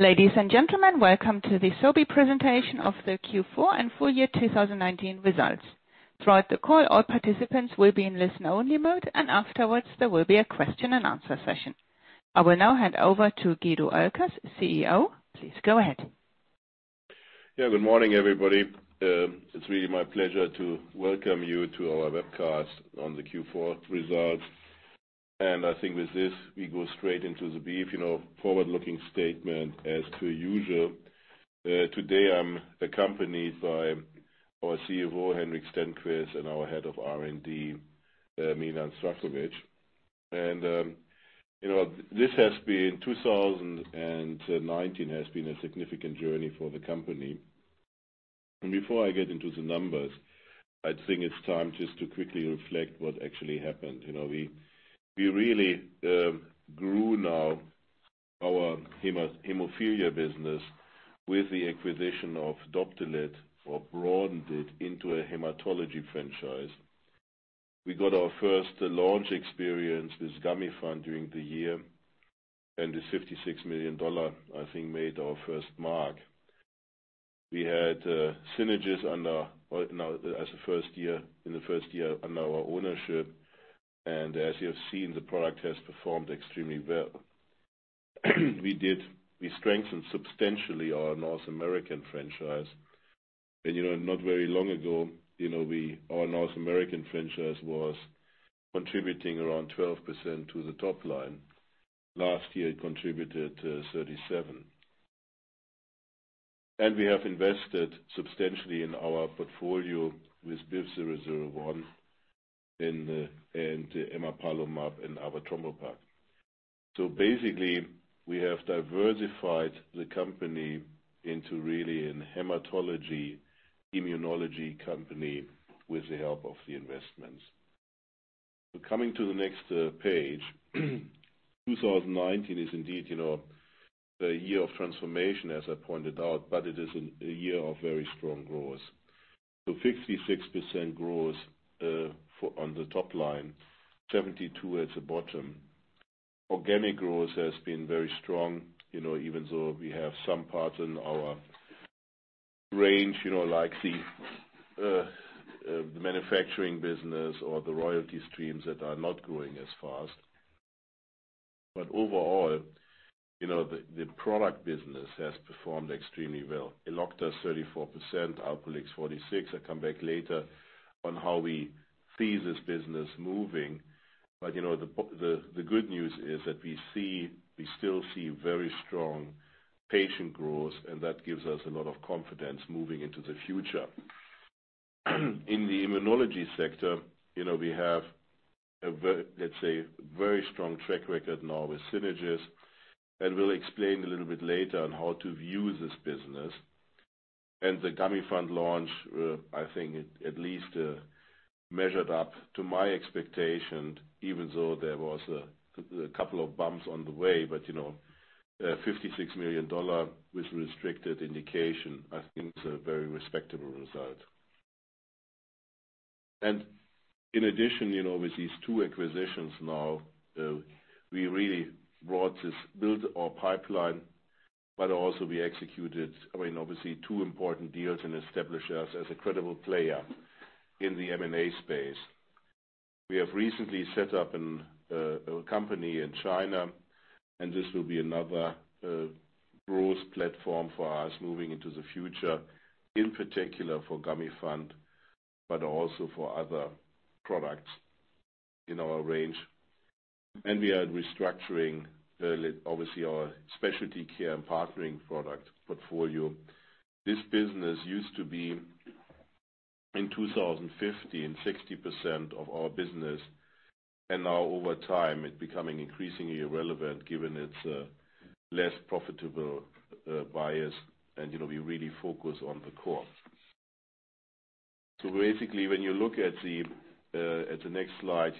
Ladies and gentlemen, welcome to the Sobi presentation of the Q4 and full-year 2019 results. Throughout the call, all participants will be in listen-only mode, and afterwards, there will be a question-and-answer session. I will now hand over to Guido Oelkers, CEO. Please go ahead. Yeah. Good morning, everybody. It's really my pleasure to welcome you to our webcast on the Q4 results. I think with this, we go straight into the beef, forward-looking statement as per usual. Today, I'm accompanied by our CFO, Henrik Stenqvist, and our Head of R&D, Milan Zdravkovic. 2019 has been a significant journey for the company. Before I get into the numbers, I think it's time just to quickly reflect what actually happened. We really grew now our hemophilia business with the acquisition of Doptelet or broadened it into a hematology franchise. We got our first launch experience with Gamifant during the year, and the $56 million, I think, made our first mark. We had Synagis in the first year under our ownership. As you have seen, the product has performed extremely well. We strengthened substantially our North American franchise. Not very long ago, our North American franchise was contributing around 12% to the top line. Last year, it contributed 37%. We have invested substantially in our portfolio with BIVV001, and emapalumab or avatrombopag, basically, we have diversified the company into really in hematology, immunology company with the help of the investments. Coming to the next page. 2019 is indeed the year of transformation as I pointed out, but it is a year of very strong growth. 56% growth on the top line, 72% at the bottom. Organic growth has been very strong, even though we have some parts in our range like the manufacturing business or the royalty streams that are not growing as fast. Overall, the product business has performed extremely well. Elocta 34%, Alprolix 46%. I come back later on how we see this business moving. The good news is that we still see very strong patient growth, and that gives us a lot of confidence moving into the future. In the immunology sector, we have, let's say, very strong track record now with Synagis. We'll explain a little bit later on how to view this business. The Gamifant launch, I think, at least measured up to my expectation even though there was a couple of bumps on the way. $56 million with restricted indication, I think is a very respectable result. In addition, with these two acquisitions now, we really built our pipeline, but also we executed, I mean, obviously two important deals and established us as a credible player in the M&A space. We have recently set up a company in China, and this will be another growth platform for us moving into the future, in particular for Gamifant, but also for other products in our range. We are restructuring, obviously, our specialty care and partnering product portfolio. This business used to be in 2015, 60% of our business. Now, over time, it's becoming increasingly irrelevant given its less profitable bias. We really focus on the core. Basically, when you look at the next slide,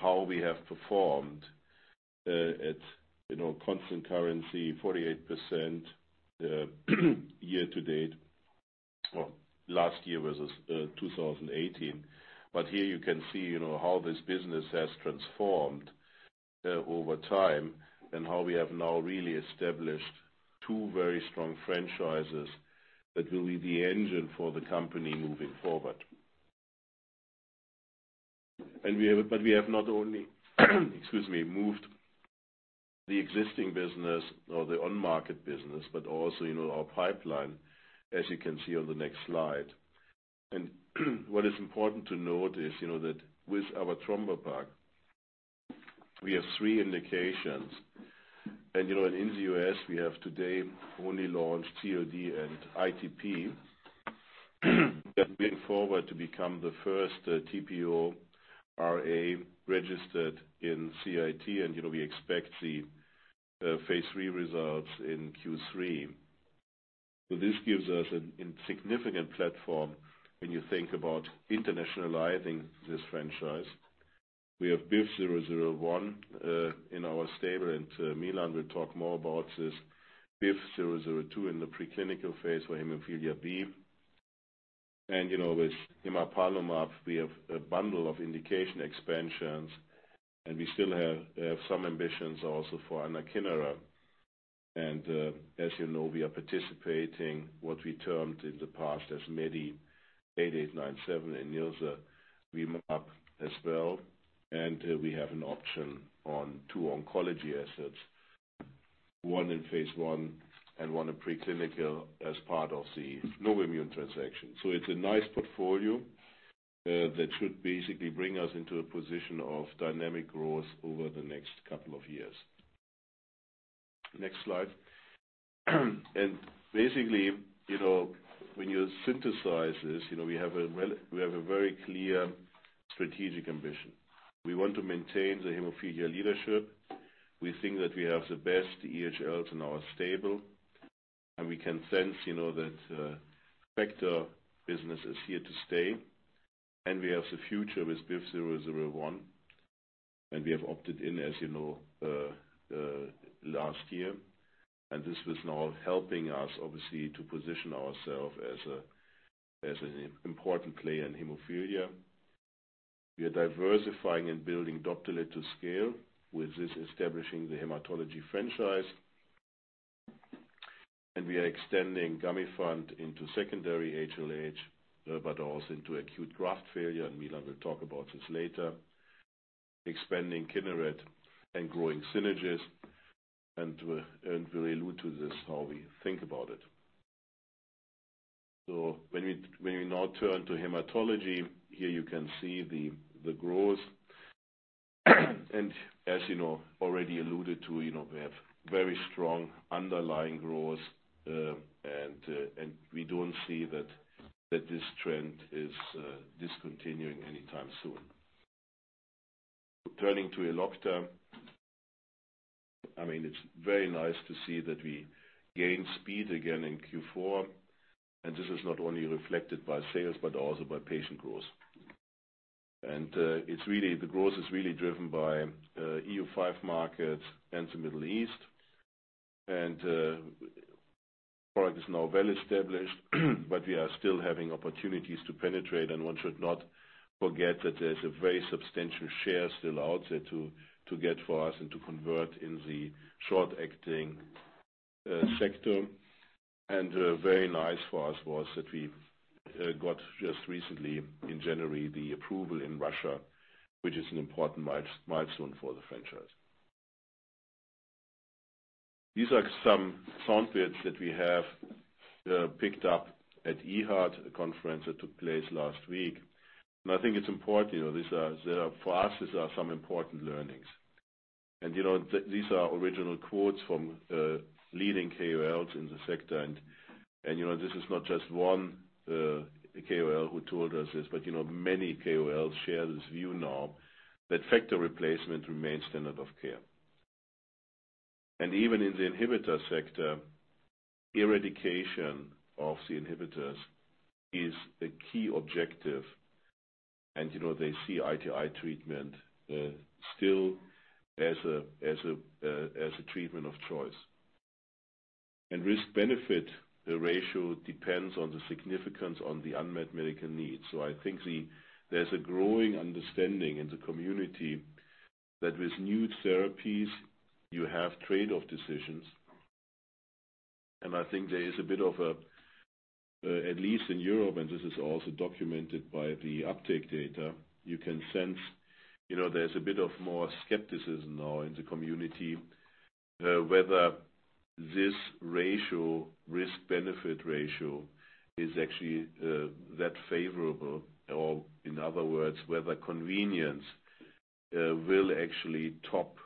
how we have performed at constant currency, 48% year to date or last year versus 2018. Here you can see how this business has transformed over time and how we have now really established two very strong franchises that will be the engine for the company moving forward. We have not only moved the existing business or the on-market business, but also our pipeline as you can see on the next slide. What is important to note is that with avatrombopag, we have three indications. In the U.S., we have today only launched CLD and ITP. Moving forward to become the first TPO-RA registered in CIT, and we expect the phase III results in Q3. This gives us a significant platform when you think about internationalizing this franchise. We have BIVV001 in our stable, and Milan will talk more about this. BIVV002 in the preclinical phase for hemophilia B. With emapalumab, we have a bundle of indication expansions, and we still have some ambitions also for anakinra. As you know, we are participating, what we termed in the past as MEDI8897 and ILSA, emapalumab as well, and we have an option on two oncology assets, one in phase I and one in preclinical as part of the [fluing] transaction. It's a nice portfolio that should basically bring us into a position of dynamic growth over the next couple of years. Next slide. Basically, when you synthesize this, we have a very clear strategic ambition. We want to maintain the hemophilia leadership. We think that we have the best EHLs in our stable, and we can sense that factor business is here to stay, and we have the future with BIVV001. We have opted in, as you know, last year. This was now helping us obviously to position ourself as an important player in hemophilia. We are diversifying and building Doptelet to scale with this establishing the hematology franchise. We are extending Gamifant into secondary HLH, but also into acute graft failure, and Milan will talk about this later. Expanding Kineret and growing Synagis, and we allude to this how we think about it. When we now turn to hematology, here you can see the growth. As you know, already alluded to, we have very strong underlying growth, and we don't see that this trend is discontinuing anytime soon. Turning to Elocta. It's very nice to see that we gained speed again in Q4, and this is not only reflected by sales but also by patient growth. The growth is really driven by EU5 markets and the Middle East. The product is now well-established, but we are still having opportunities to penetrate, and one should not forget that there's a very substantial share still out there to get for us and to convert in the short-acting sector. Very nice for us was that we got just recently in January, the approval in Russia, which is an important milestone for the franchise. These are some soundbites that we have picked up at EAHAD, a conference that took place last week. I think it's important. For us, these are some important learnings. These are original quotes from leading KOLs in the sector. This is not just one KOL who told us this, but many KOLs share this view now that factor replacement remains standard of care. Even in the inhibitor sector, eradication of the inhibitors is a key objective, and they see ITI treatment still as a treatment of choice. Risk-benefit ratio depends on the significance on the unmet medical needs. I think there's a growing understanding in the community that with new therapies, you have trade-off decisions. I think there is a bit of a, at least in Europe, and this is also documented by the uptake data, you can sense there's a bit of more skepticism now in the community, whether this risk-benefit ratio is actually that favorable or in other words, whether convenience will actually top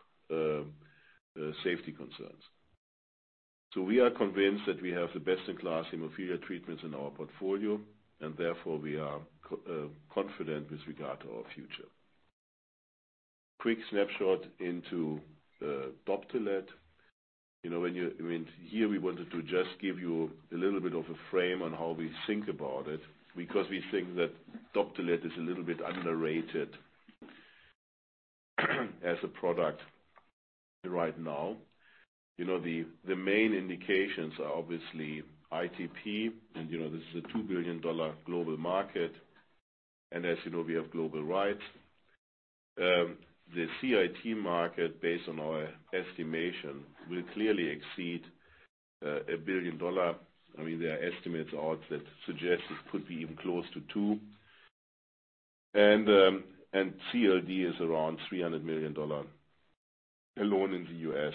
safety concerns. We are convinced that we have the best-in-class hemophilia treatments in our portfolio, and therefore we are confident with regard to our future. Quick snapshot into Doptelet. Here, we wanted to just give you a little bit of a frame on how we think about it, because we think that Doptelet is a little bit underrated as a product right now. The main indications are obviously ITP. This is a $2 billion global market. As you know, we have global rights. The CIT market, based on our estimation, will clearly exceed $1 billion. There are estimates out that suggest it could be even close to, and CLD is around $300 million alone in the U.S.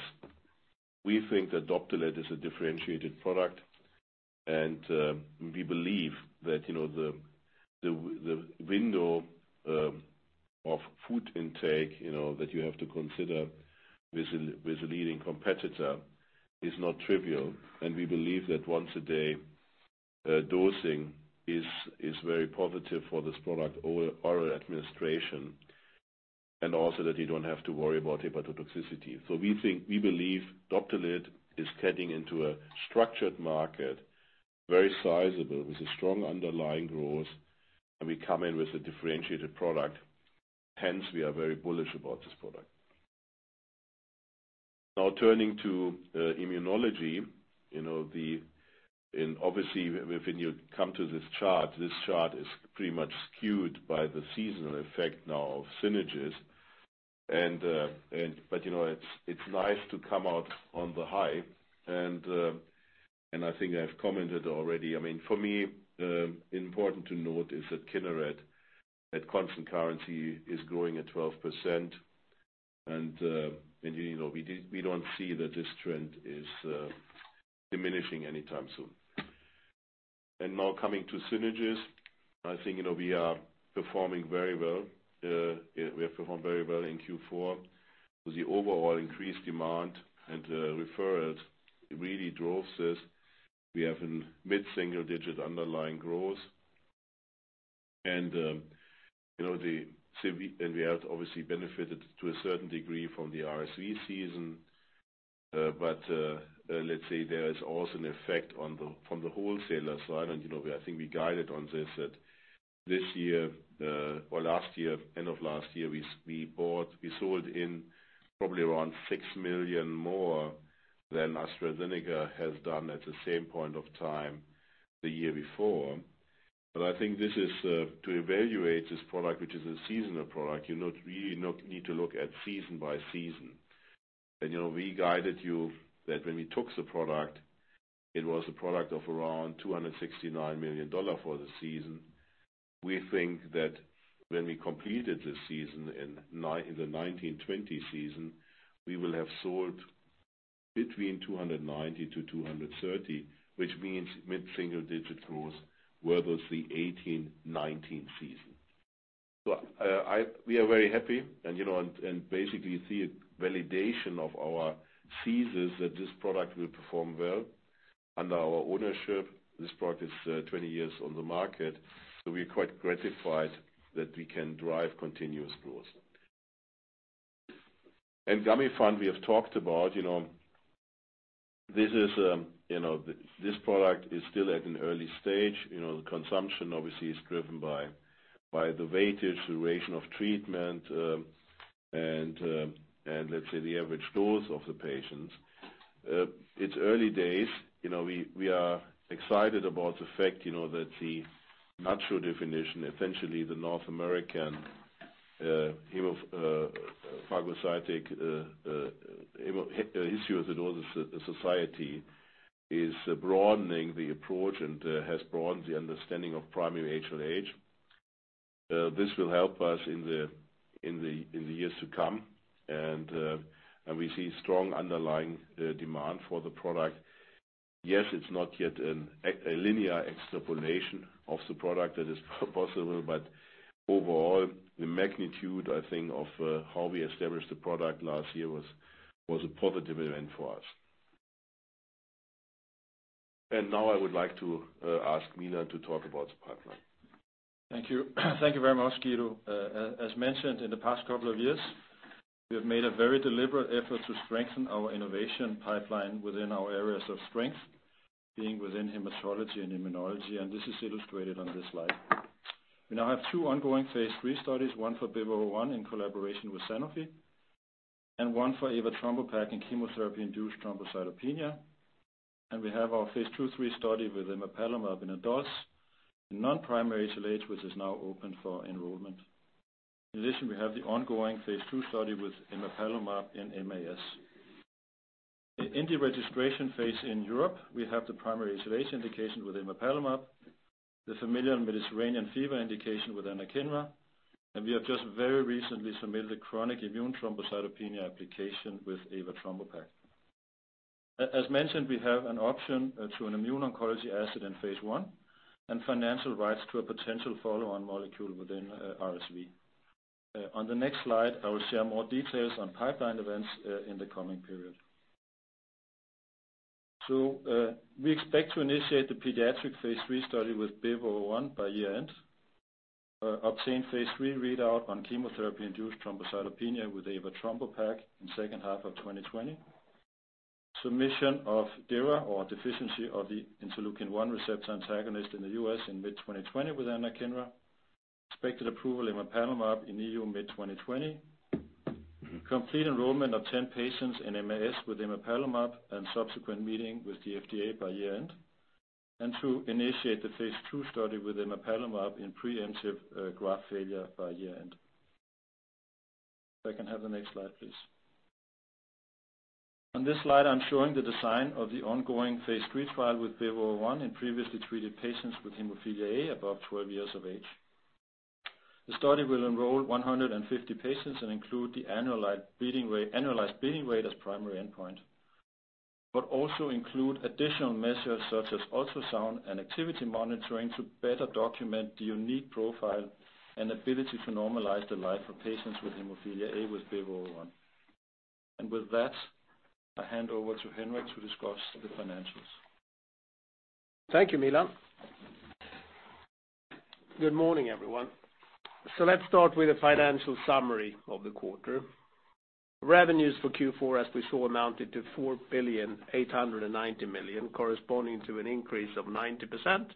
We think that Doptelet is a differentiated product, and we believe that the window of food intake that you have to consider with the leading competitor is not trivial, and we believe that once-a-day dosing is very positive for this product, oral administration, and also that you don't have to worry about hepatotoxicity. We believe Doptelet is getting into a structured market, very sizable, with a strong underlying growth, and we come in with a differentiated product. Hence, we are very bullish about this product. Now turning to immunology. Obviously, when you come to this chart, this chart is pretty much skewed by the seasonal effect now of Synagis. But it's nice to come out on the high, and I think I've commented already. For me, important to note is that Kineret, at constant currency, is growing at 12%, and we don't see that this trend is diminishing anytime soon. Now coming to Synagis, I think we are performing very well. We have performed very well in Q4. With the overall increased demand and referrals, it really drove this. We have a mid-single-digit underlying growth, and we have obviously benefited to a certain degree from the RSV season. Let's say there is also an effect from the wholesaler side, and I think we guided on this at this year, or last year, end of last year, we sold in probably around $6 million more than AstraZeneca has done at the same point of time the year before. I think to evaluate this product, which is a seasonal product, you really need to look at season by season. We guided you that when we took the product, it was a product of around $269 million for the season. We think that when we completed this season in the 2019, 2020 season, we will have sold between $290 million-$230 million, which means mid-single-digit growth versus the 2018, 2019 season. We are very happy and basically see a validation of our thesis that this product will perform well under our ownership. This product is 20 years on the market, so we are quite gratified that we can drive continuous growth. Gamifant, we have talked about. This product is still at an early stage. The consumption obviously is driven by the weightage, duration of treatment, and let's say the average dose of the patients. It's early days. We are excited about the fact that the natural definition, essentially the North American Histiocyte Society is broadening the approach and has broadened the understanding of primary HLH. This will help us in the years to come, and we see strong underlying demand for the product. Yes, it's not yet a linear extrapolation of the product that is possible, but overall, the magnitude, I think, of how we established the product last year was a positive event for us. Now I would like to ask Milan to talk about the pipeline. Thank you. Thank you very much, Guido. As mentioned in the past couple of years, we have made a very deliberate effort to strengthen our innovation pipeline within our areas of strength, being within hematology and immunology, and this is illustrated on this slide. We now have two ongoing phase III studies, one for BIVV001 in collaboration with Sanofi, and one for avatrombopag in chemotherapy-induced thrombocytopenia. We have our phase II-III study with emapalumab in adults in non-primary HLH, which is now open for enrollment. In addition, we have the ongoing phase II study with emapalumab in MAS. In the registration phase in Europe, we have the primary HLH indication with emapalumab, the familial Mediterranean fever indication with anakinra, and we have just very recently submitted a chronic immune thrombocytopenia application with avatrombopag. As mentioned, we have an option to an immune oncology asset in phase I and financial rights to a potential follow-on molecule within RSV. On the next slide, I will share more details on pipeline events in the coming period. We expect to initiate the pediatric phase III study with BIVV001 by year-end. Obtain phase III readout on chemotherapy-induced thrombocytopenia with avatrombopag in second half of 2020. Submission of DIRA or deficiency of the interleukin-1 receptor antagonist in the U.S. in mid-2020 with anakinra. Expected approval emapalumab in EU mid-2020. Complete enrollment of 10 patients in MAS with emapalumab and subsequent meeting with the FDA by year-end. To initiate the phase II study with emapalumab in preemptive graft failure by year-end. If can I have the next slide, please? On this slide, I'm showing the design of the ongoing phase III trial with BIVV001 in previously treated patients with hemophilia A above 12 years of age. The study will enroll 150 patients and include the annualized bleeding rate as primary endpoint. Also include additional measures such as ultrasound and activity monitoring, to better document the unique profile and ability to normalize the life of patients with hemophilia A with BIVV001. With that, I hand over to Henrik to discuss the financials. Thank you, Milan. Good morning, everyone. Let's start with a financial summary of the quarter. Revenues for Q4, as we saw, amounted to 4,890 million, corresponding to an increase of 90%,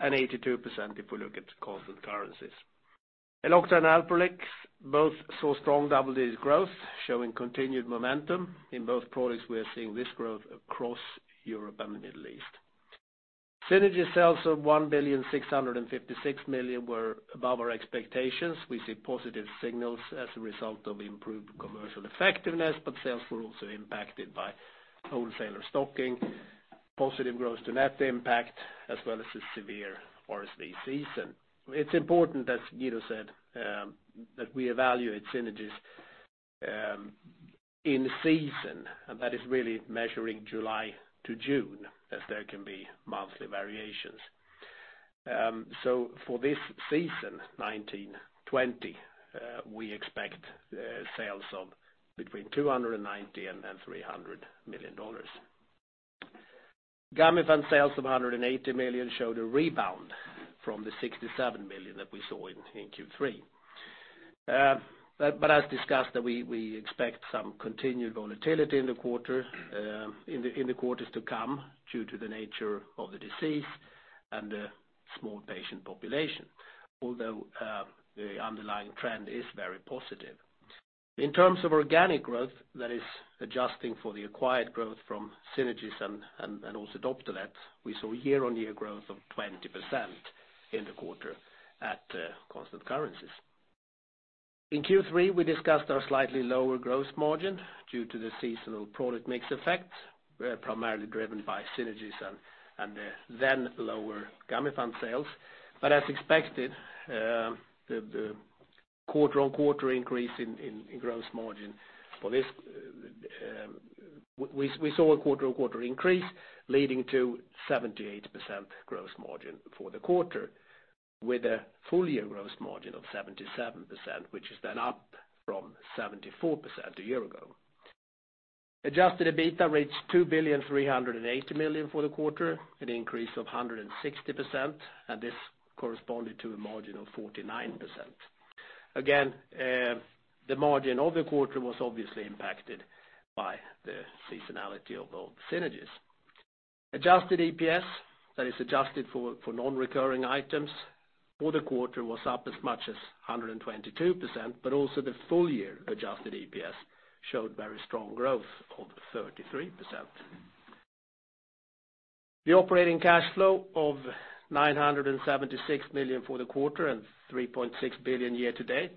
and 82% if we look at constant currencies. Elocta and Alprolix both saw strong double-digit growth, showing continued momentum. In both products, we are seeing this growth across Europe and the Middle East. Synagis sales of 1,656 million were above our expectations. We see positive signals as a result of improved commercial effectiveness, but sales were also impacted by wholesaler stocking, positive growth to net impact as well as the severe RSV season. It's important, as Guido said, that we evaluate Synagis in season, and that is really measuring July to June as there can be monthly variations. For this season, 2019-2020, we expect sales of between $290 million-$300 million. Gamifant sales of 180 million showed a rebound from the 67 million that we saw in Q3. As discussed, that we expect some continued volatility in the quarters to come due to the nature of the disease and the small patient population. The underlying trend is very positive. In terms of organic growth, that is adjusting for the acquired growth from synergies and also Doptelet, we saw year-on-year growth of 20% in the quarter at constant currencies. In Q3, we discussed our slightly lower gross margin due to the seasonal product mix effect, were primarily driven by synergies and the then lower Gamifant sales. As expected, we saw a quarter-on-quarter increase leading to 78% gross margin for the quarter, with a full-year gross margin of 77%, which is then up from 74% a year ago. Adjusted EBITDA reached 2.38 billion for the quarter, an increase of 160%, this corresponded to a margin of 49%. Again, the margin of the quarter was obviously impacted by the seasonality of all the synergies. Adjusted EPS, that is adjusted for non-recurring items, for the quarter was up as much as 122%, also the full year Adjusted EPS showed very strong growth of 33%. The operating cash flow of 976 million for the quarter and 3.6 billion year to date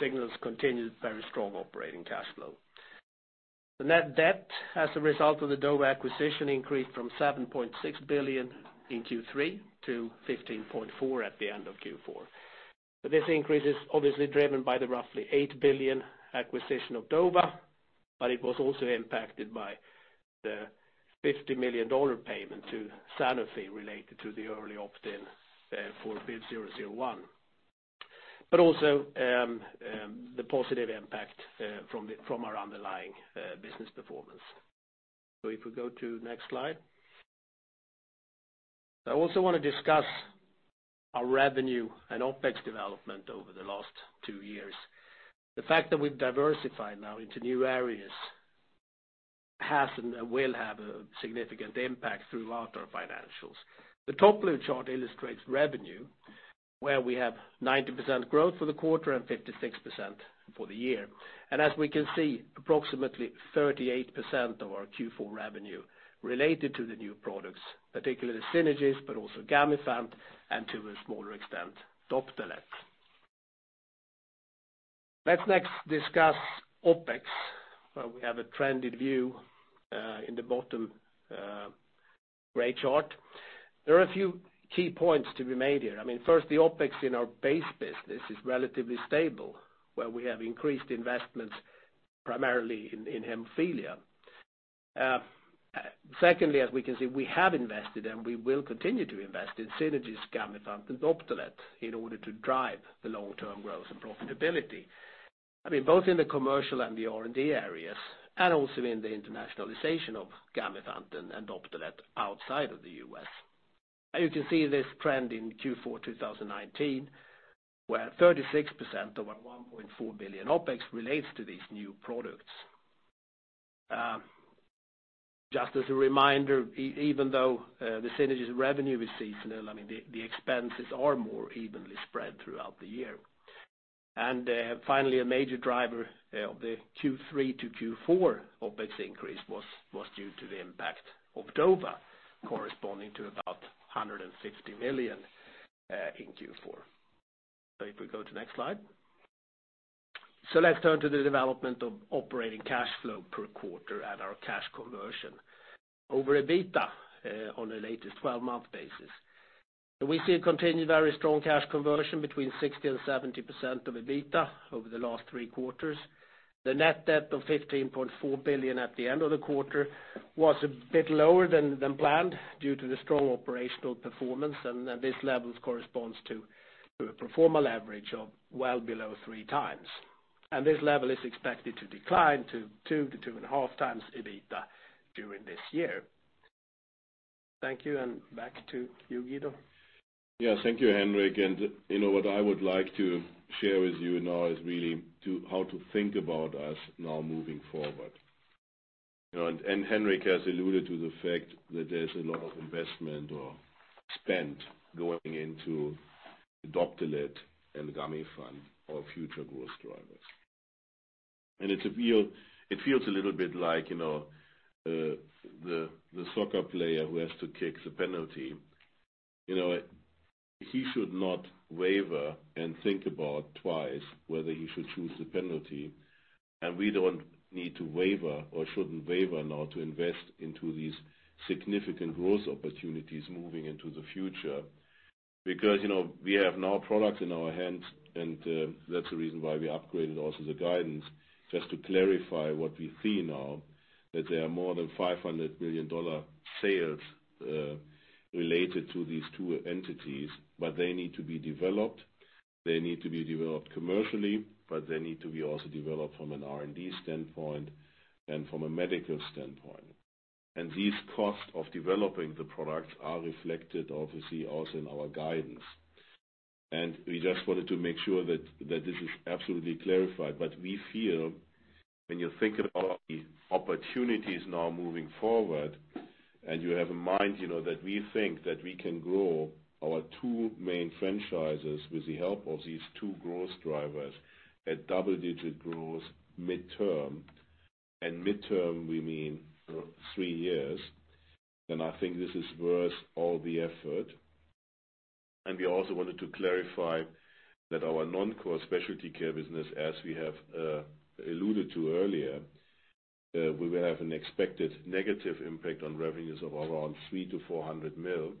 signals continued very strong operating cash flow. The net debt as a result of the Dova acquisition increased from 7.6 billion in Q3 to 15.4 billion at the end of Q4. This increase is obviously driven by the roughly 8 billion acquisition of Dova; it was also impacted by the $50 million payment to Sanofi related to the early opt-in for BIVV001. Also, the positive impact from our underlying business performance. If we go to next slide. I also want to discuss our revenue and OpEx development over the last two years. The fact that we've diversified now into new areas has and will have a significant impact throughout our financials. The top blue chart illustrates revenue, where we have 90% growth for the quarter and 56% for the year. As we can see, approximately 38% of our Q4 revenue related to the new products, particularly Synagis, but also Gamifant, and to a smaller extent, Doptelet. Let's next discuss OpEx, where we have a trended view, in the bottom gray chart. There are a few key points to be made here. First, the OpEx in our base business is relatively stable, where we have increased investments primarily in hemophilia. Secondly, as we can see, we have invested and we will continue to invest in synergy's Gamifant and Doptelet in order to drive the long-term growth and profitability. Both in the commercial and the R&D areas, and also in the internationalization of Gamifant and Doptelet outside of the U.S. You can see this trend in Q4 2019, where 36% of our 1.4 billion OpEx relates to these new products. Just as a reminder, even though the synergy's revenue is seasonal, the expenses are more evenly spread throughout the year. Finally, a major driver of the Q3 to Q4 OpEx increase was due to the impact of Dova, corresponding to about 150 million in Q4. Lets see the next slide. Let's turn to the development of operating cash flow per quarter and our cash conversion over EBITDA on the latest 12-month basis. We see a continued very strong cash conversion between 60% and 70% of EBITDA over the last three quarters. The net debt of 15.4 billion at the end of the quarter was a bit lower than planned due to the strong operational performance. This level corresponds to a pro forma leverage of well below 3x. This level is expected to decline to 2x-2.5x EBITDA during this year. Thank you, and back to you, Guido. Yes. Thank you, Henrik. What I would like to share with you now is really how to think about us now moving forward. Henrik has alluded to the fact that there's a lot of investment or spend going into Doptelet and Gamifant, our future growth drivers. It feels a little bit like the soccer player who has to kick the penalty. He should not waver and think about twice whether he should choose the penalty, and we don't need to waver or shouldn't waver now to invest into these significant growth opportunities moving into the future. We have now products in our hands, and that's the reason why we upgraded also the guidance, just to clarify what we see now, that there are more than $500 million sales related to these two entities, but they need to be developed. They need to be developed commercially, but they need to be also developed from an R&D standpoint and from a medical standpoint. These costs of developing the products are reflected, obviously, also in our guidance. We just wanted to make sure that this is absolutely clarified. We feel when you think about the opportunities now moving forward, and you have in mind that we think that we can grow our two main franchises with the help of these two growth drivers at double-digit growth midterm, and midterm, we mean three years, then I think this is worth all the effort. We also wanted to clarify that our non-core specialty care business, as we have alluded to earlier, we will have an expected negative impact on revenues of around 3 million-400 million.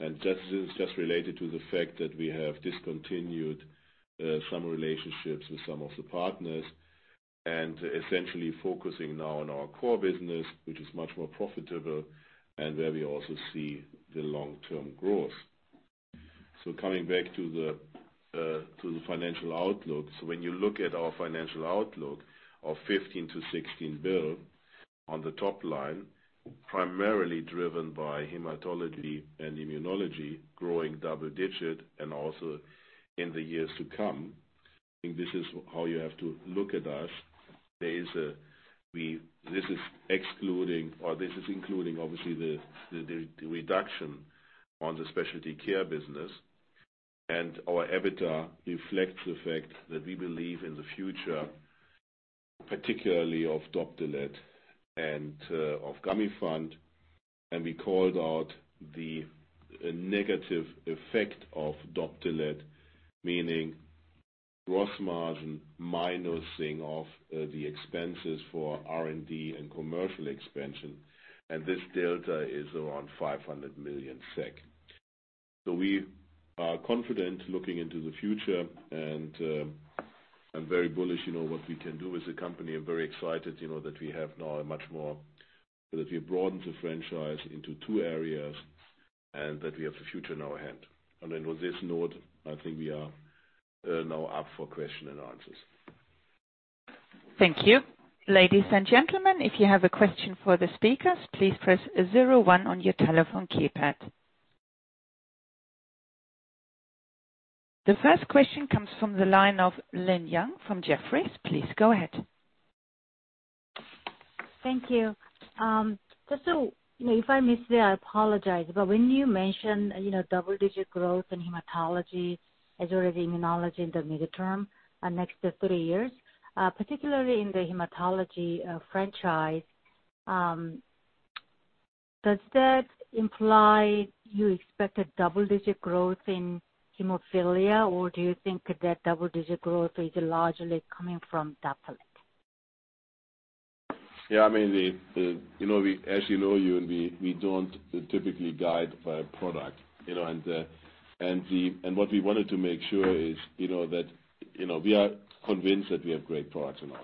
This is just related to the fact that we have discontinued some relationships with some of the partners and essentially focusing now on our core business, which is much more profitable and where we also see the long-term growth. Coming back to the financial outlook. When you look at our financial outlook of 15 billion-16 billion on the top line, primarily driven by hematology and immunology growing double-digit, and also in the years to come, I think this is how you have to look at us. This is including, obviously, the reduction on the specialty care business. Our EBITDA reflects the fact that we believe in the future, particularly of Doptelet and of Gamifant, and we called out the negative effect of Doptelet, meaning gross margin minusing of the expenses for R&D and commercial expansion. This delta is around 500 million SEK. We are confident looking into the future, and I'm very bullish what we can do as a company. I'm very excited that we have now broadened the franchise into two areas and that we have the hands in our hand. With this note, I think we are now up for question-and-answers. Thank you. Ladies and gentlemen, if you have a question for the speakers, please press zero one on your telephone keypad. The first question comes from the line of Eun Yang from Jefferies. Please go ahead. Thank you. Just so you know, if I missed it, I apologize. When you mention double-digit growth in hematology as well as immunology in the midterm, next to three years, particularly in the hematology franchise, does that imply you expect a double-digit growth in hemophilia, or do you think that double-digit growth is largely coming from Doptelet? Yeah. As you know, we don't typically guide by product. What we wanted to make sure is that we are convinced that we have great products in our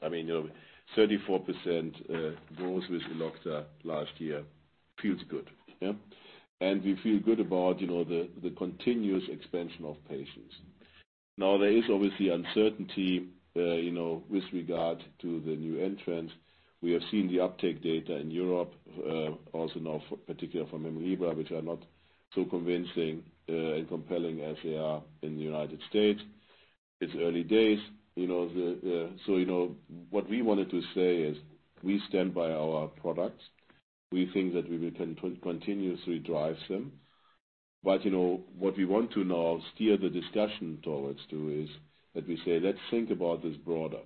portfolio. 34% growth with Elocta last year feels good. Yeah? We feel good about the continuous expansion of patients. Now, there is obviously uncertainty with regard to the new entrants. We have seen the uptake data in Europe, also now particularly for Hemlibra, which are not so convincing and compelling as they are in the United States. It's early days. What we wanted to say is we stand by our products. We think that we can continuously drive them. What we want to now steer the discussion towards to is that we say, let's think about this broader.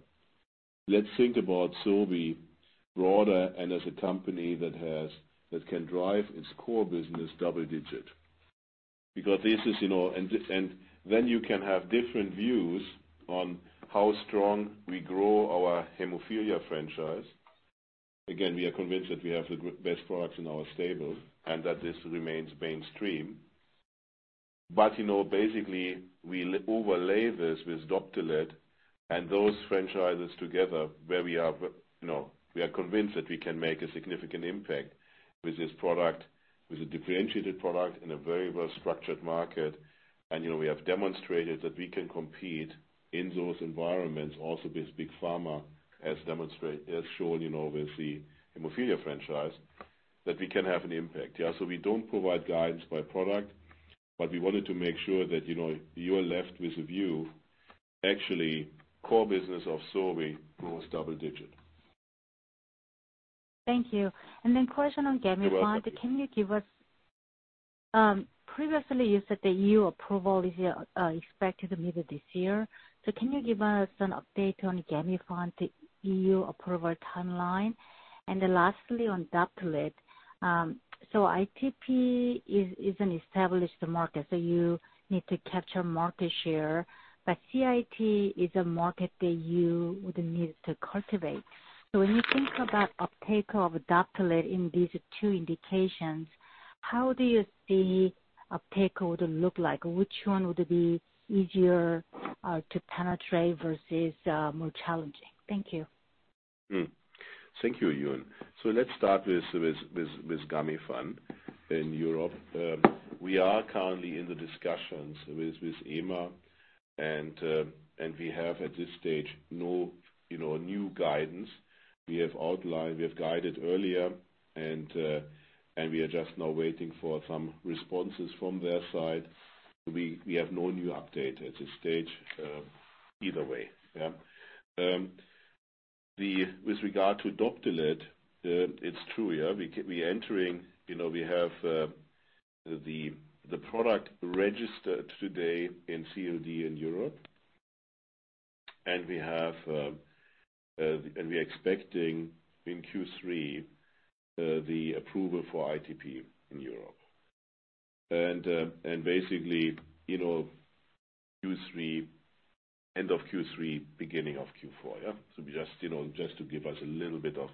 Let's think about Sobi broader and as a company that can drive its core business double digit. Then you can have different views on how strong we grow our hemophilia franchise. Again, we are convinced that we have the best products in our stable and that this remains mainstream. Basically, we overlay this with Doptelet and those franchises together where we are convinced that we can make a significant impact with this product, with a differentiated product in a very well-structured market. We have demonstrated that we can compete in those environments also with big pharma, as shown with the hemophilia franchise, that we can have an impact. Yeah. We don't provide guidance by product, but we wanted to make sure that you are left with a view, actually, core business of Sobi grows double digit. Thank you. Question on Gamifant? You're welcome. Can you give us Previously, you said the EU approval is expected middle this year. Can you give us an update on Gamifant EU approval timeline? Lastly, on Doptelet. ITP is an established market, so you need to capture market share, but CIT is a market that you would need to cultivate. When you think about uptake of Doptelet in these two indications, how do you see uptake would look like? Which one would be easier to penetrate versus more challenging? Thank you. Thank you, Eun. Let's start with Gamifant in Europe. We are currently in the discussions with EMA, and we have, at this stage, no new guidance. We have outlined, we have guided earlier, and we are just now waiting for some responses from their side. We have no new update at this stage either way. With regard to Doptelet, it's true. We are entering. We have the product registered today in CLD in Europe, and we're expecting in Q3 the approval for ITP in Europe. Basically, end of Q3, beginning of Q4. Just to give us a little bit of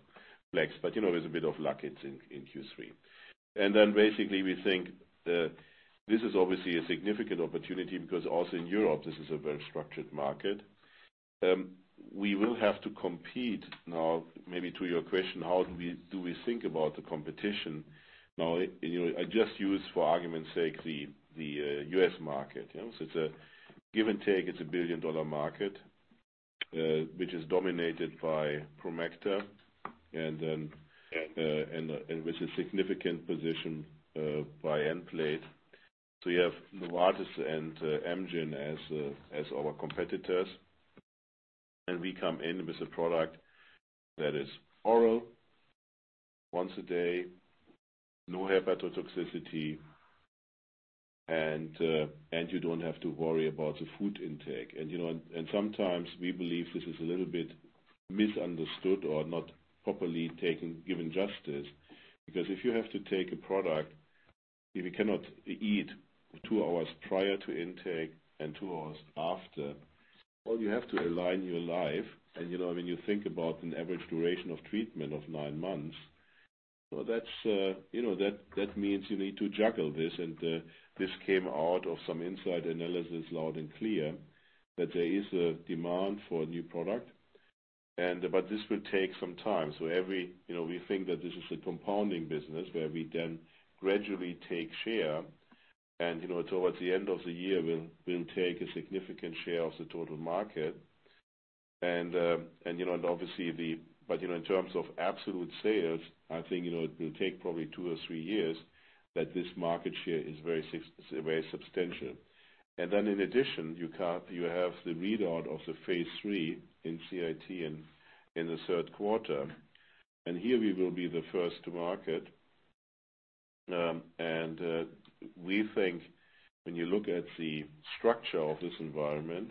flex. There's a bit of luck it's in Q3. Basically, we think this is obviously a significant opportunity because also in Europe, this is a very structured market. We will have to compete now, maybe to your question, how do we think about the competition? I just use, for argument's sake, the U.S. market. It's a give and take, it's a billion-dollar market which is dominated by Promacta and with a significant position by Nplate. You have Novartis and Amgen as our competitors, we come in with a product that is oral once a day, no hepatotoxicity, and you don't have to worry about the food intake. Sometimes we believe this is a little bit misunderstood or not properly given justice because if you have to take a product, if you cannot eat two hours prior to intake and two hours after, or you have to align your life. When you think about an average duration of treatment of nine months, that means you need to juggle this. This came out of some insight analysis loud and clear that there is a demand for a new product. This will take some time. We think that this is a compounding business where we then gradually take share and towards the end of the year, we will take a significant share of the total market. In terms of absolute sales, I think it will take probably two or three years that this market share is very substantial. In addition, you have the readout of the phase III in CIT in the third quarter. Here we will be the first to market. We think when you look at the structure of this environment,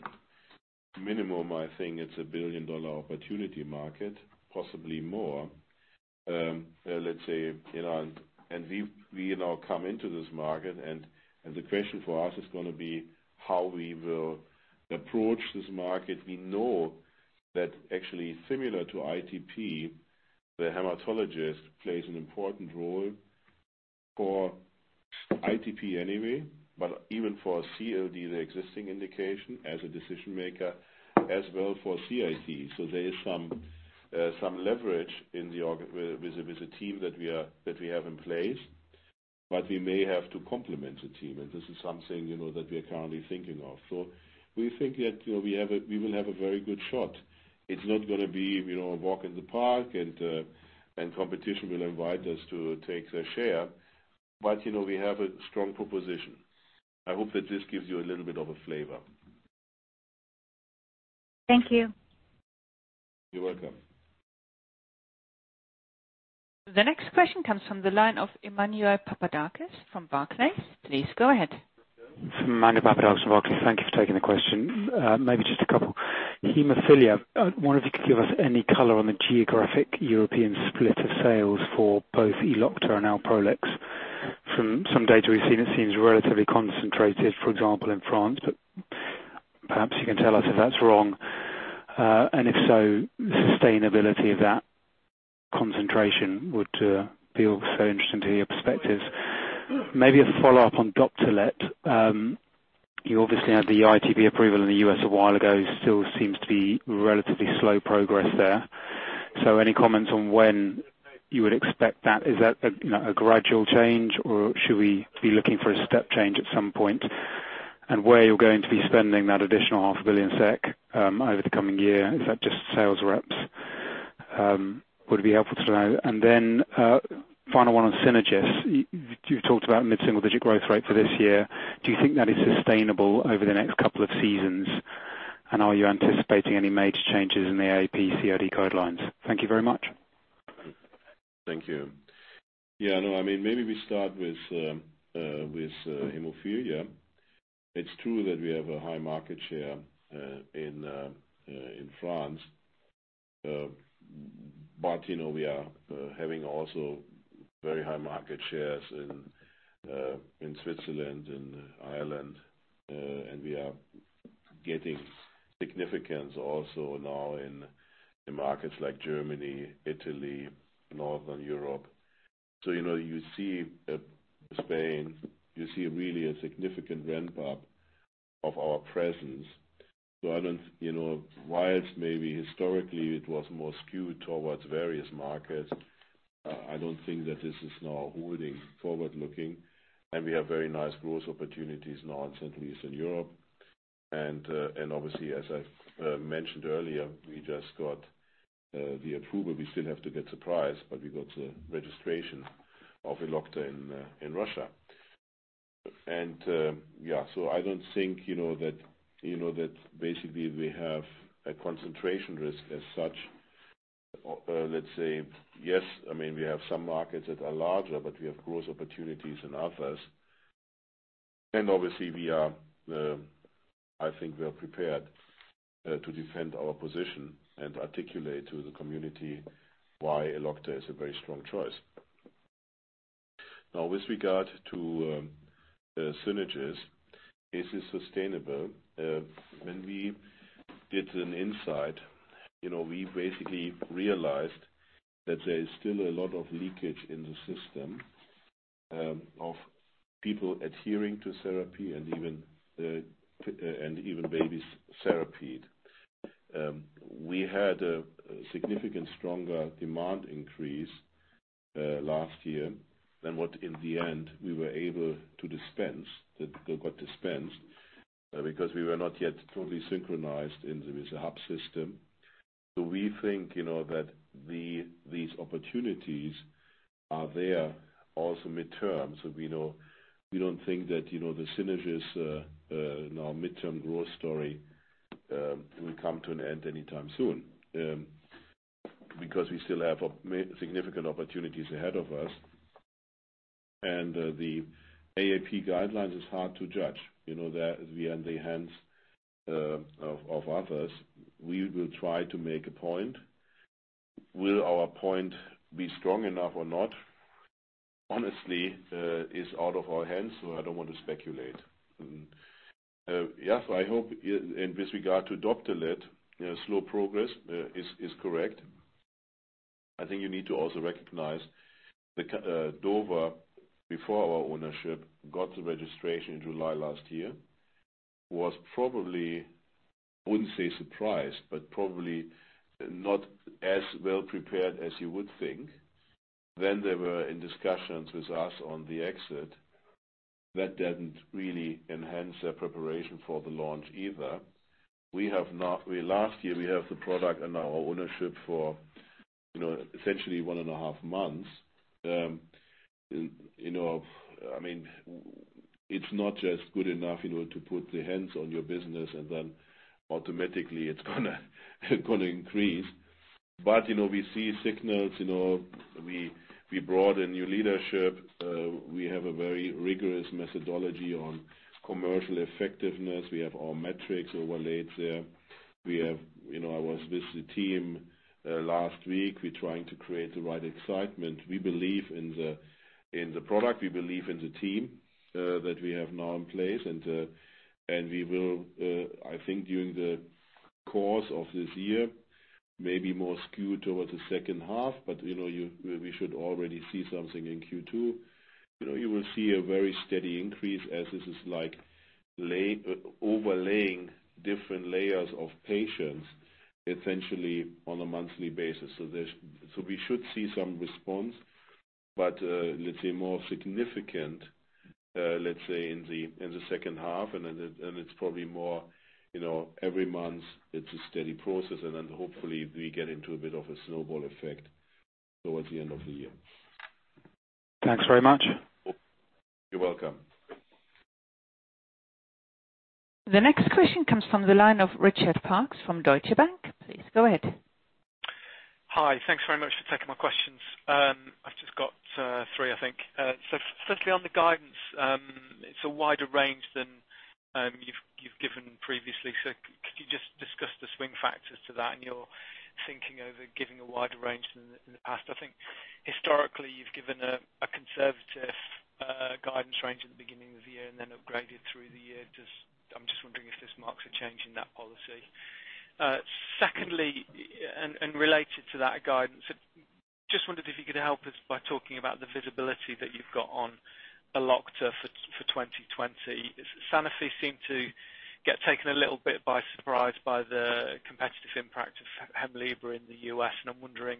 minimum, I think it's a SEK 1 billion opportunity market, possibly more. Let's say, and we now come into this market and the question for us is going to be how we will approach this market. We know that actually similar to ITP, the hematologist plays an important role for ITP anyway, but even for CLD, the existing indication as a decision maker as well for CIT. There is some leverage with the team that we have in place, but we may have to complement the team, and this is something that we are currently thinking of. We think that we will have a very good shot. It's not going to be a walk in the park and competition will invite us to take their share, but we have a strong proposition. I hope that this gives you a little bit of a flavor. Thank you. You're welcome. The next question comes from the line of Emmanuel Papadakis from Barclays. Please go ahead. Emmanuel Papadakis from Barclays. Thank you for taking the question. Maybe just a couple. Hemophilia. I wonder if you could give us any color on the geographic European split of sales for both Elocta and Alprolix. From some data we've seen, it seems relatively concentrated, for example, in France, but perhaps you can tell us if that's wrong. If so, sustainability of that concentration would be also interesting to hear your perspectives. Maybe a follow-up on Doptelet. You obviously had the ITP approval in the U.S. a while ago. It still seems to be relatively slow progress there. Any comments on when you would expect that? Is that a gradual change, or should we be looking for a step change at some point? Where you're going to be spending that additional 500 billion SEK over the coming year, is that just sales reps? Would be helpful to know. Final one on Synagis. You talked about mid-single-digit growth rate for this year. Do you think that is sustainable over the next couple of seasons? Are you anticipating any major changes in the AAP COD guidelines? Thank you very much. Thank you. Yeah, no, maybe we start with hemophilia. It's true that we have a high market share in France. We are having also very high market shares in Switzerland and Ireland. We are getting significance also now in markets like Germany, Italy, Northern Europe. You see Spain, you see really a significant ramp-up of our presence. Whilst maybe historically it was more skewed towards various markets, I don't think that this is now holding forward-looking. We have very nice growth opportunities now in Central Eastern Europe. Obviously, as I mentioned earlier, we just got the approval. We still have to get the price, but we got the registration of Elocta in Russia. Yeah. I don't think that basically we have a concentration risk as such. Let's say, yes, we have some markets that are larger. We have growth opportunities in others. Obviously, I think we are prepared to defend our position and articulate to the community why Elocta is a very strong choice. Now, with regard to Synagis, is it sustainable? When we did an insight, we basically realized that there is still a lot of leakage in the system of people adhering to therapy, and even babies therapied. We had a significant stronger demand increase last year than what in the end we were able to dispense, that got dispensed, because we were not yet totally synchronized in with the hub system. We think that these opportunities are there also midterm. We don't think that the Synagis in our midterm growth story will come to an end anytime soon. We still have significant opportunities ahead of us. The AAP guidelines is hard to judge. We are in the hands of others. We will try to make a point. Will our point be strong enough or not, honestly is out of our hands, so I don't want to speculate. I hope in this regard to Doptelet, slow progress is correct. I think you need to also recognize that Dova, before our ownership, got the registration in July last year, was probably, I wouldn't say surprised, but probably not as well prepared as you would think. They were in discussions with us on the exit. That didn't really enhance their preparation for the launch either. Last year, we had the product and now ownership for essentially one and a half months. It's not just good enough to put the hands on your business and then automatically it's going to increase. We see signals. We brought in new leadership. We have a very rigorous methodology on commercial effectiveness. We have our metrics overlaid there. I was with the team last week. We're trying to create the right excitement. We believe in the product. We believe in the team that we have now in place. We will, I think, during the course of this year, maybe more skewed towards the second half, but we should already see something in Q2. You will see a very steady increase as this is overlaying different layers of patients, essentially on a monthly basis. We should see some response, but let's say more significant in the second half, and it's probably more every month, it's a steady process, and then hopefully we get into a bit of a snowball effect towards the end of the year. Thanks very much. You're welcome. The next question comes from the line of Richard Parkes from Deutsche Bank. Please go ahead. Hi. Thanks very much for taking my questions. Three, I think. Firstly, on the guidance, it's a wider range than you've given previously. Could you just discuss the swing factors to that, and you're thinking over giving a wider range than in the past? I think historically you've given a conservative guidance range at the beginning of the year and then upgraded through the year. I'm just wondering if this marks a change in that policy. Secondly, related to that guidance, just wondered if you could help us by talking about the visibility that you've got on Elocta for 2020. Sanofi seemed to get taken a little bit by surprise by the competitive impact of Hemlibra in the U.S., I'm wondering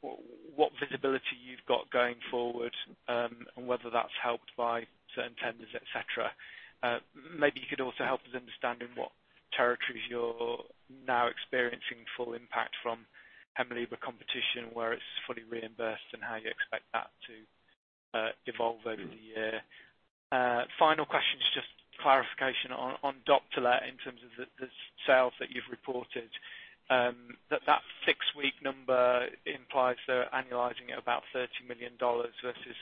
what visibility you've got going forward, and whether that's helped by certain tenders, et cetera. Maybe you could also help us understand in what territories you're now experiencing full impact from Hemlibra competition, where it's fully reimbursed, and how you expect that to evolve over the year. Final question is just clarification on Doptelet in terms of the sales that you've reported. That six-week number implies they're annualizing at about $30 million versus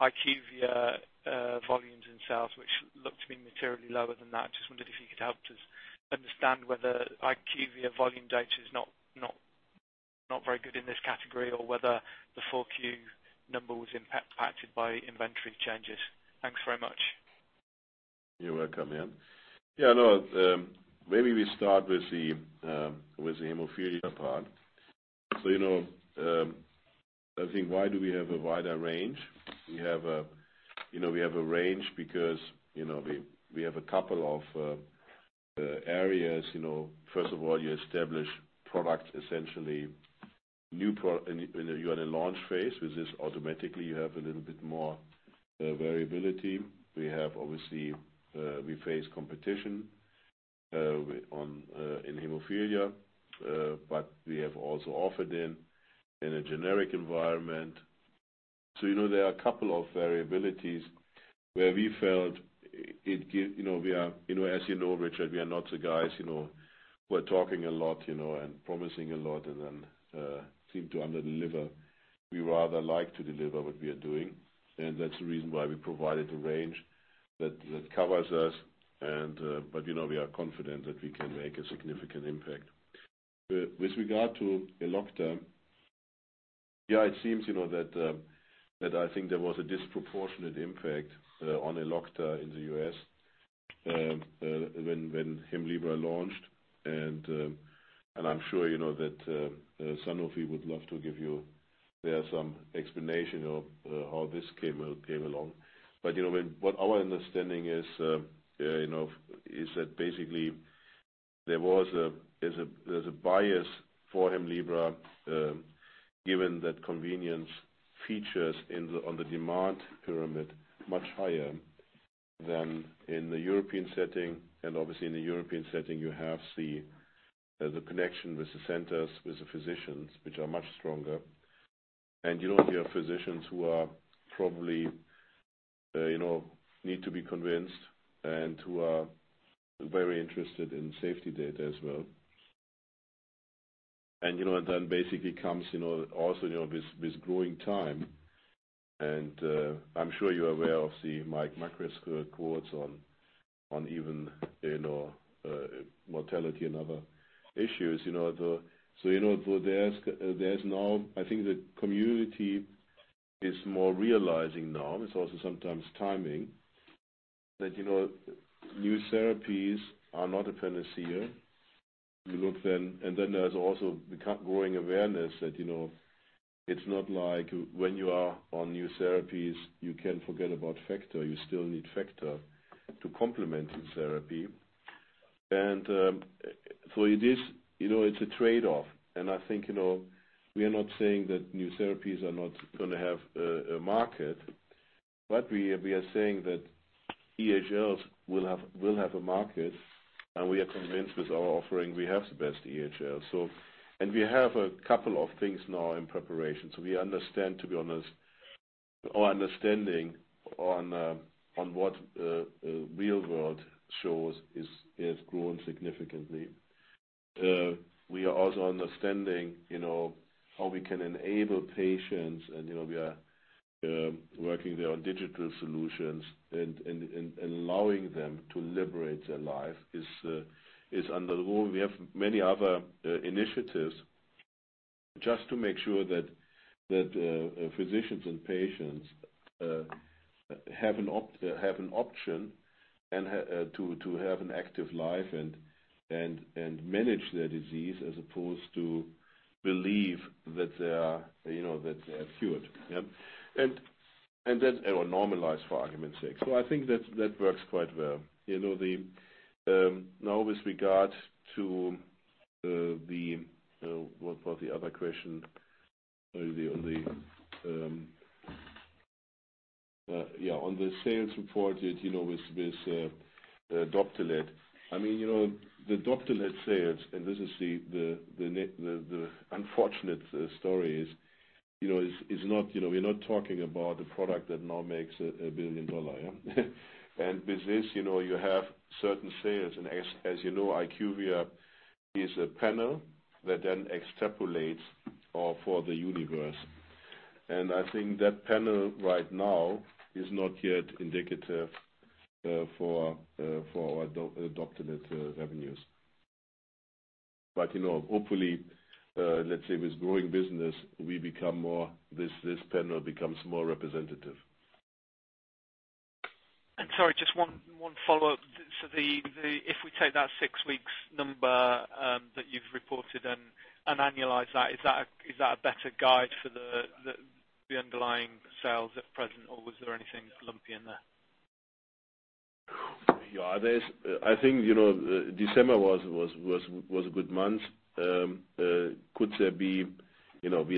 IQVIA volumes in sales, which look to be materially lower than that. Just wondered if you could help us understand whether IQVIA volume data is not very good in this category, or whether the 4Q number was impacted by inventory changes. Thanks very much. You're welcome. Yeah, maybe we start with the hemophilia part. I think why do we have a wider range? We have a range because we have a couple of areas. First of all, you establish products, essentially new products, and you are in a launch phase. With this, automatically you have a little bit more variability. We have obviously, we face competition in hemophilia, but we have also operated in a generic environment. There are a couple of variabilities where we felt it. As you know, Richard, we are not the guys who are talking a lot and promising a lot and then seem to under-deliver. We rather like to deliver what we are doing, and that's the reason why we provided a range that covers us. We are confident that we can make a significant impact. With regard to Elocta, yeah, it seems that I think there was a disproportionate impact on Elocta in the U.S. when Hemlibra launched. I'm sure that Sanofi would love to give you there some explanation of how this came along. What our understanding is that basically there's a bias for Hemlibra given that convenience features on the demand pyramid much higher than in the European setting. Obviously in the European setting, you have the connection with the centers, with the physicians, which are much stronger. You have physicians who are probably need to be convinced and who are very interested in safety data as well. Then basically comes also this growing time and I'm sure you're aware of the Mike Makris quotes on even mortality and other issues. There's now, I think the community is more realizing now, it's also sometimes timing, that new therapies are not a panacea. There's also the growing awareness that it's not like when you are on new therapies, you can forget about factor. You still need factor to complement the therapy. It's a trade-off, and I think we are not saying that new therapies are not going to have a market. We are saying that EHLs will have a market, and we are convinced with our offering, we have the best EHL. We have a couple of things now in preparation. We understand, to be honest, our understanding on what real world shows has grown significantly. We are also understanding how we can enable patients and we are working there on digital solutions and allowing them to liberate their life is under the rule. We have many other initiatives just to make sure that physicians and patients have an option to have an active life and manage their disease as opposed to believe that they are cured. Yeah. That they are normalized, for argument's sake. I think that works quite well. Now with regard to the, what was the other question? On the sales reported with Doptelet. The Doptelet sales, this is the unfortunate story, is we're not talking about a product that now makes a billion dollar. With this, you have certain sales, as you know, IQVIA is a panel that then extrapolates for the universe. I think that panel right now is not yet indicative for our Doptelet revenues. Hopefully, let's say, with growing business, this panel becomes more representative. Sorry, just one follow-up. If we take that six-weeks number that you've reported and annualize that, is that a better guide for the underlying sales at present, or was there anything lumpy in there? I think December was a good month. We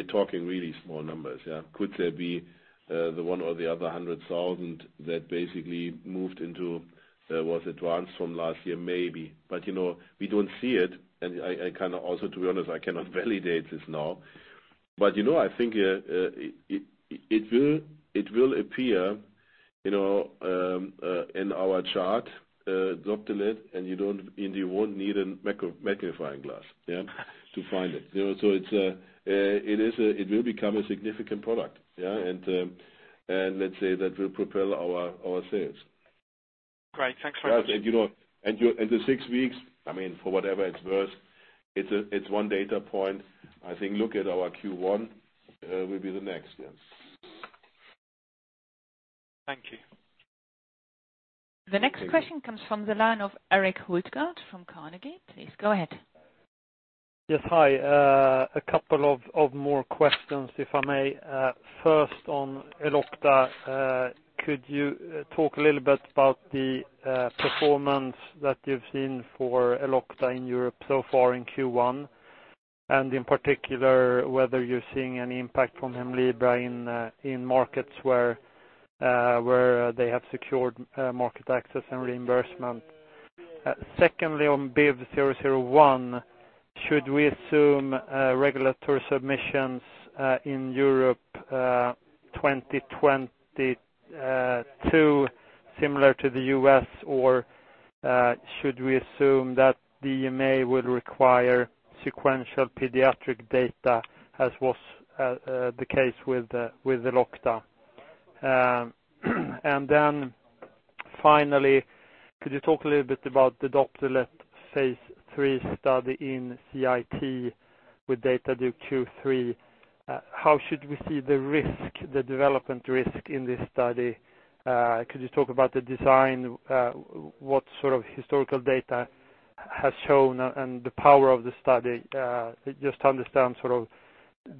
are talking really small numbers. Could there be the one or the other 100,000 that basically was advanced from last year? Maybe. We don't see it, and I kind of also, to be honest, I cannot validate this now. I think it will appear in our chart, Doptelet, and you won't need a magnifying glass to find it. It will become a significant product. Let's say that will propel our sales. Great. Thanks very much. The six weeks, for whatever it's worth, it's one data point. I think look at our Q1 will be the next, yeah. Thank you. The next question comes from the line of Erik Hultgård from Carnegie. Please go ahead. Yes. Hi. A couple of more questions, if I may. First on Elocta, could you talk a little bit about the performance that you've seen for Elocta in Europe so far in Q1, and in particular, whether you're seeing any impact from Hemlibra in markets where they have secured market access and reimbursement. Secondly, on BIVV001, should we assume regulatory submissions in Europe 2022 similar to the U.S., or should we assume that the EMA will require sequential pediatric data as was the case with Elocta? Finally, could you talk a little bit about the Doptelet phase III study in CIT with data due Q3? How should we see the development risk in this study? Could you talk about the design, what sort of historical data has shown and the power of the study, just to understand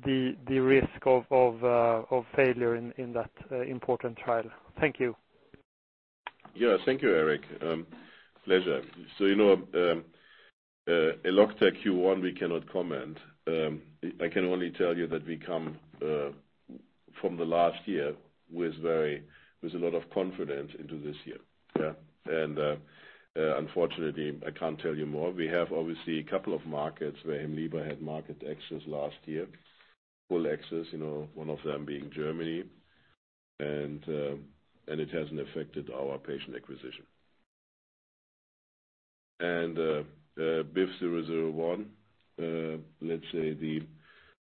the risk of failure in that important trial? Thank you. Thank you, Erik. Pleasure. Elocta Q1, we cannot comment. I can only tell you that we come from the last year with a lot of confidence into this year. Unfortunately, I can't tell you more. We have obviously a couple of markets where Hemlibra had market access last year. Full access, one of them being Germany, and it hasn't affected our patient acquisition. BIVV001, let's say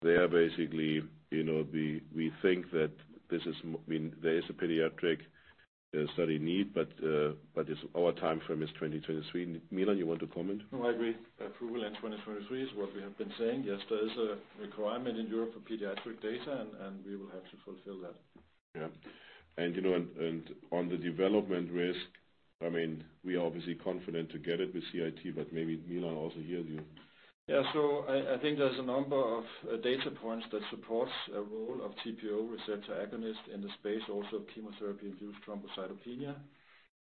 there basically we think that there is a pediatric study need, but our timeframe is 2023. Milan, you want to comment? No, I agree. Approval in 2023 is what we have been saying. Yes, there is a requirement in Europe for pediatric data, and we will have to fulfill that. Yeah. On the development risk, we are obviously confident to get it with CIT, but maybe Milan also hears you. Yeah. I think there's a number of data points that supports a role of TPO receptor agonist in the space also of chemotherapy-induced thrombocytopenia.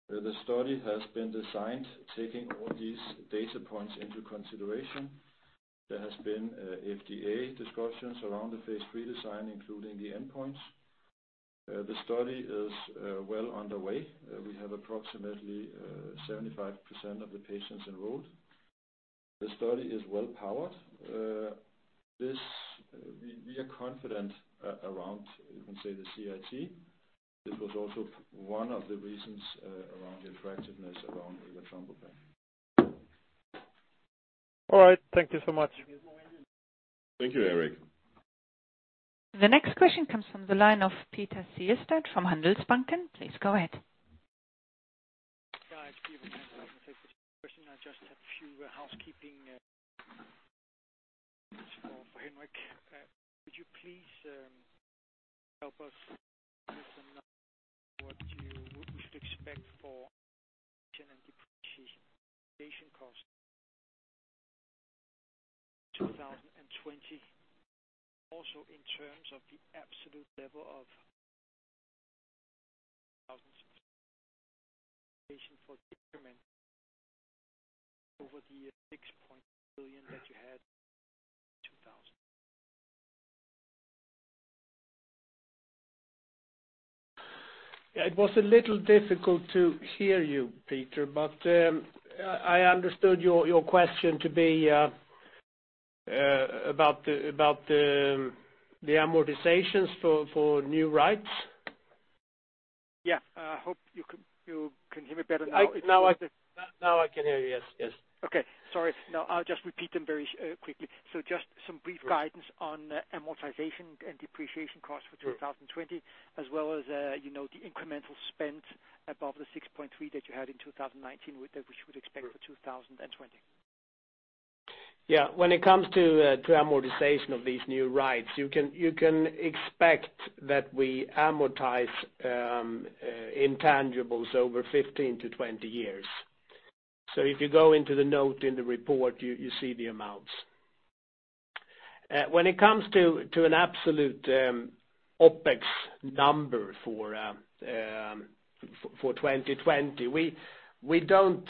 The study has been designed taking all these data points into consideration. There has been FDA discussions around the phase III design, including the endpoints. The study is well underway. We have approximately 75% of the patients enrolled. The study is well powered. We are confident around, you can say, the CIT. This was also one of the reasons around the attractiveness around. All right. Thank you so much. Thank you, Erik. The next question comes from the line of Peter Sehested from Handelsbanken. Please go ahead. Yeah. Peter Sehested. I just have a few housekeeping for Henrik. Could you please help us with a number what we should expect for depreciation cost 2020, also in terms of the absolute level of for over the 6.3 billion that you had 2000. It was a little difficult to hear you, Peter. I understood your question to be about the amortizations for new rights. I hope you can hear me better now. Now I can hear you. Yes. Okay. Sorry. Now I'll just repeat them very quickly. Just some brief guidance on amortization and depreciation costs for 2020, as well as the incremental spend above the 6.3 billion that you had in 2019, which we should expect for 2020. When it comes to amortization of these new rights, you can expect that we amortize intangibles over 15-20 years. If you go into the note in the report, you see the amounts. When it comes to an absolute OpEx number for 2020, we don't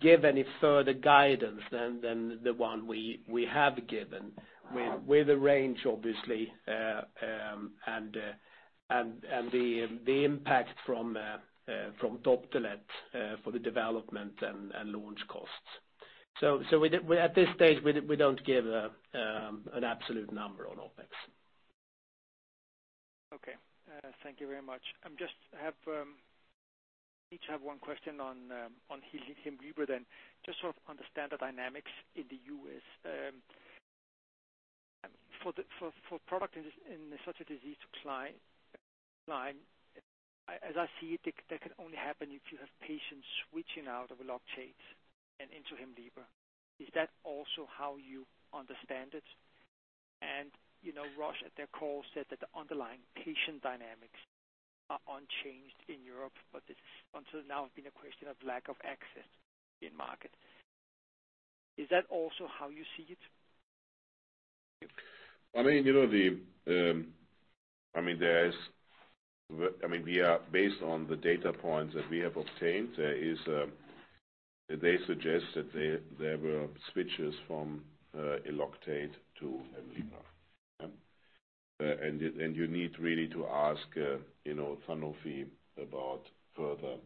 give any further guidance than the one we have given. With a range, obviously, and the impact from Doptelet for the development and launch costs. At this stage, we don't give an absolute number on OpEx. Okay. Thank you very much. I just have one question on Hemlibra, then, just to sort of understand the dynamics in the U.S. For product in such a disease to climb, as I see it, that can only happen if you have patients switching out of Eloctate and into Hemlibra. Is that also how you understand it? Roche at their call said that the underlying patient dynamics are unchanged in Europe, but it's until now been a question of lack of access in market. Is that also how you see it? Based on the data points that we have obtained, they suggest that there were switches from Eloctate to Hemlibra. You need really to ask Sanofi about further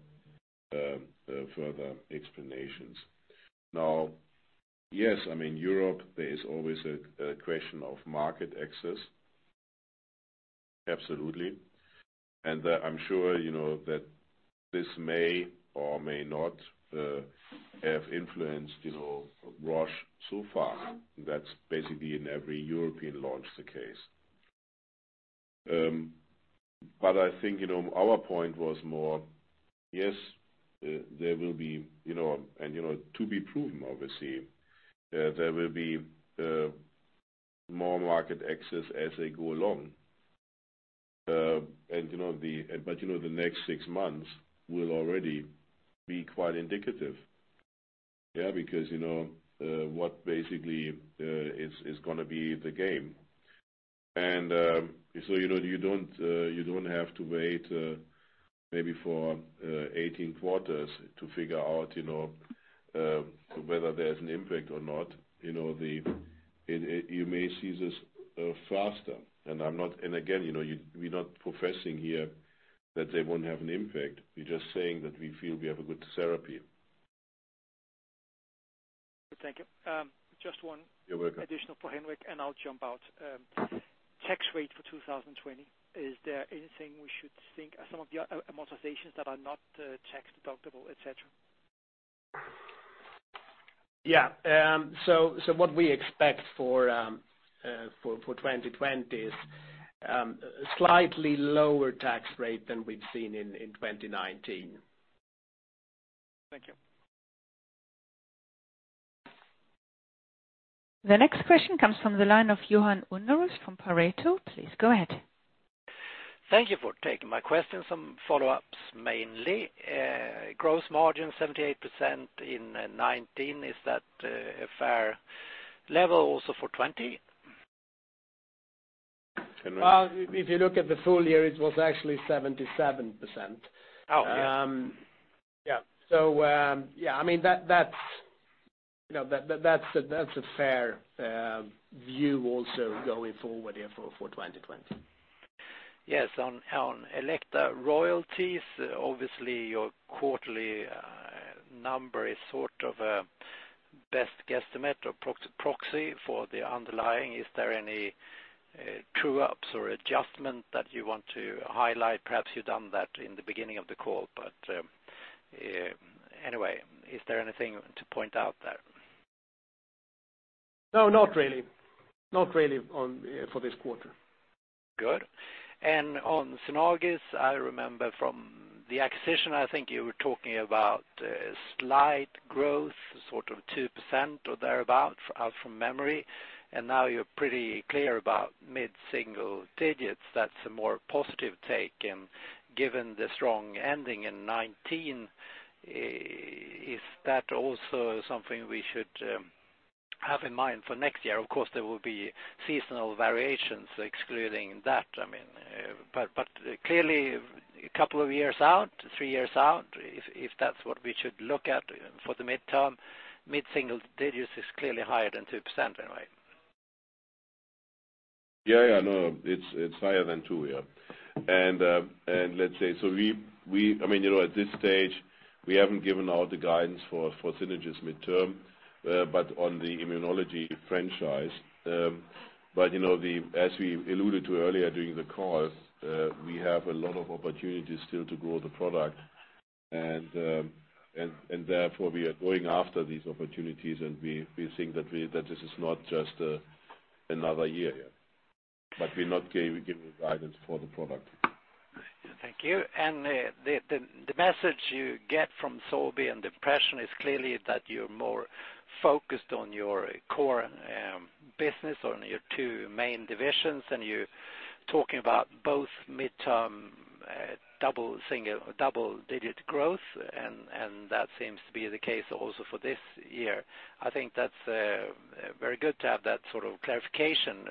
explanations. Now, yes, Europe, there is always a question of market access. Absolutely. I'm sure that this may or may not have influenced Roche so far. That's basically in every European launch the case. I think, our point was more, yes, there will be, and to be proven, obviously, there will be more market access as they go along. The next six months will already be quite indicative. Yeah. Because what basically is going to be the game. You don't have to wait, maybe for 18 quarters to figure out whether there's an impact or not. You may see this faster. Again, we're not professing here that they won't have an impact. We're just saying that we feel we have a good therapy. Thank you. You're welcome. Additional for Henrik, and I'll jump out. Tax rate for 2020. Is there anything we should think are some of the amortizations that are not tax deductible, et cetera? Yeah, what we expect for 2020 is slightly lower tax rate than we've seen in 2019. Thank you. The next question comes from the line of Johan Unnérus from Pareto. Please go ahead. Thank you for taking my question. Some follow-ups mainly. Gross margin 78% in 2019. Is that a fair level also for 2020? Henrik. If you look at the full year, it was actually 77%. Oh, yes. Yeah. That's a fair view also going forward here for 2020. Yes. On Elocta royalties, obviously your quarterly number is sort of a best guesstimate or proxy for the underlying. Is there any true ups or adjustment that you want to highlight? Perhaps you've done that in the beginning of the call, anyway, is there anything to point out there? No, not really. Not really for this quarter. Good. On Synagis, I remember from the acquisition, I think you were talking about slight growth, sort of 2% or thereabout, out from memory. Now you're pretty clear about mid-single digits. That's a more positive take. Given the strong ending in 2019, is that also something we should have in mind for next year? Of course, there will be seasonal variations excluding that. Clearly a couple of years out, three years out, if that's what we should look at for the midterm, mid-single digits is clearly higher than 2%, anyway. Yeah. No, it's higher than two. Yeah. Let's say, at this stage, we haven't given out the guidance for Synagis midterm. On the immunology franchise, as we alluded to earlier during the call, we have a lot of opportunities still to grow the product, and therefore, we are going after these opportunities, and we think that this is not just another year. We're not giving guidance for the product. Thank you. The message you get from Sobi, and the impression is clearly that you're more focused on your core business, on your two main divisions, and you're talking about both mid-term double-digit growth, and that seems to be the case also for this year. I think that's very good to have that sort of clarification.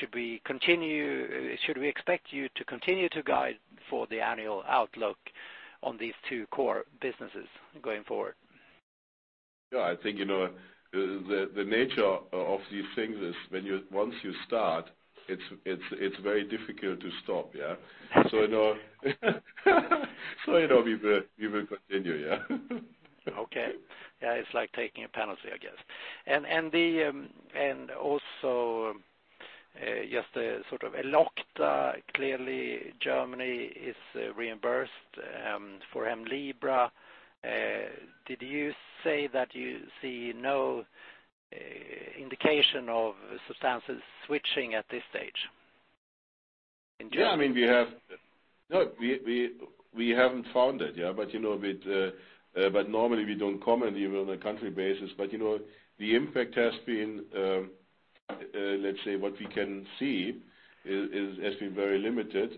Should we expect you to continue to guide for the annual outlook on these two core businesses going forward? Yeah. I think, the nature of these things is once you start, it's very difficult to stop. Yeah. We will continue, yeah. Okay. Yeah. It's like taking a penalty, I guess. Just sort of Elocta, clearly Germany is reimbursed for Hemlibra. Did you say that you see no indication of substances switching at this stage? Yeah. We haven't found it yet. Normally, we don't comment even on a country basis, but the impact has been, let's say, what we can see has been very limited.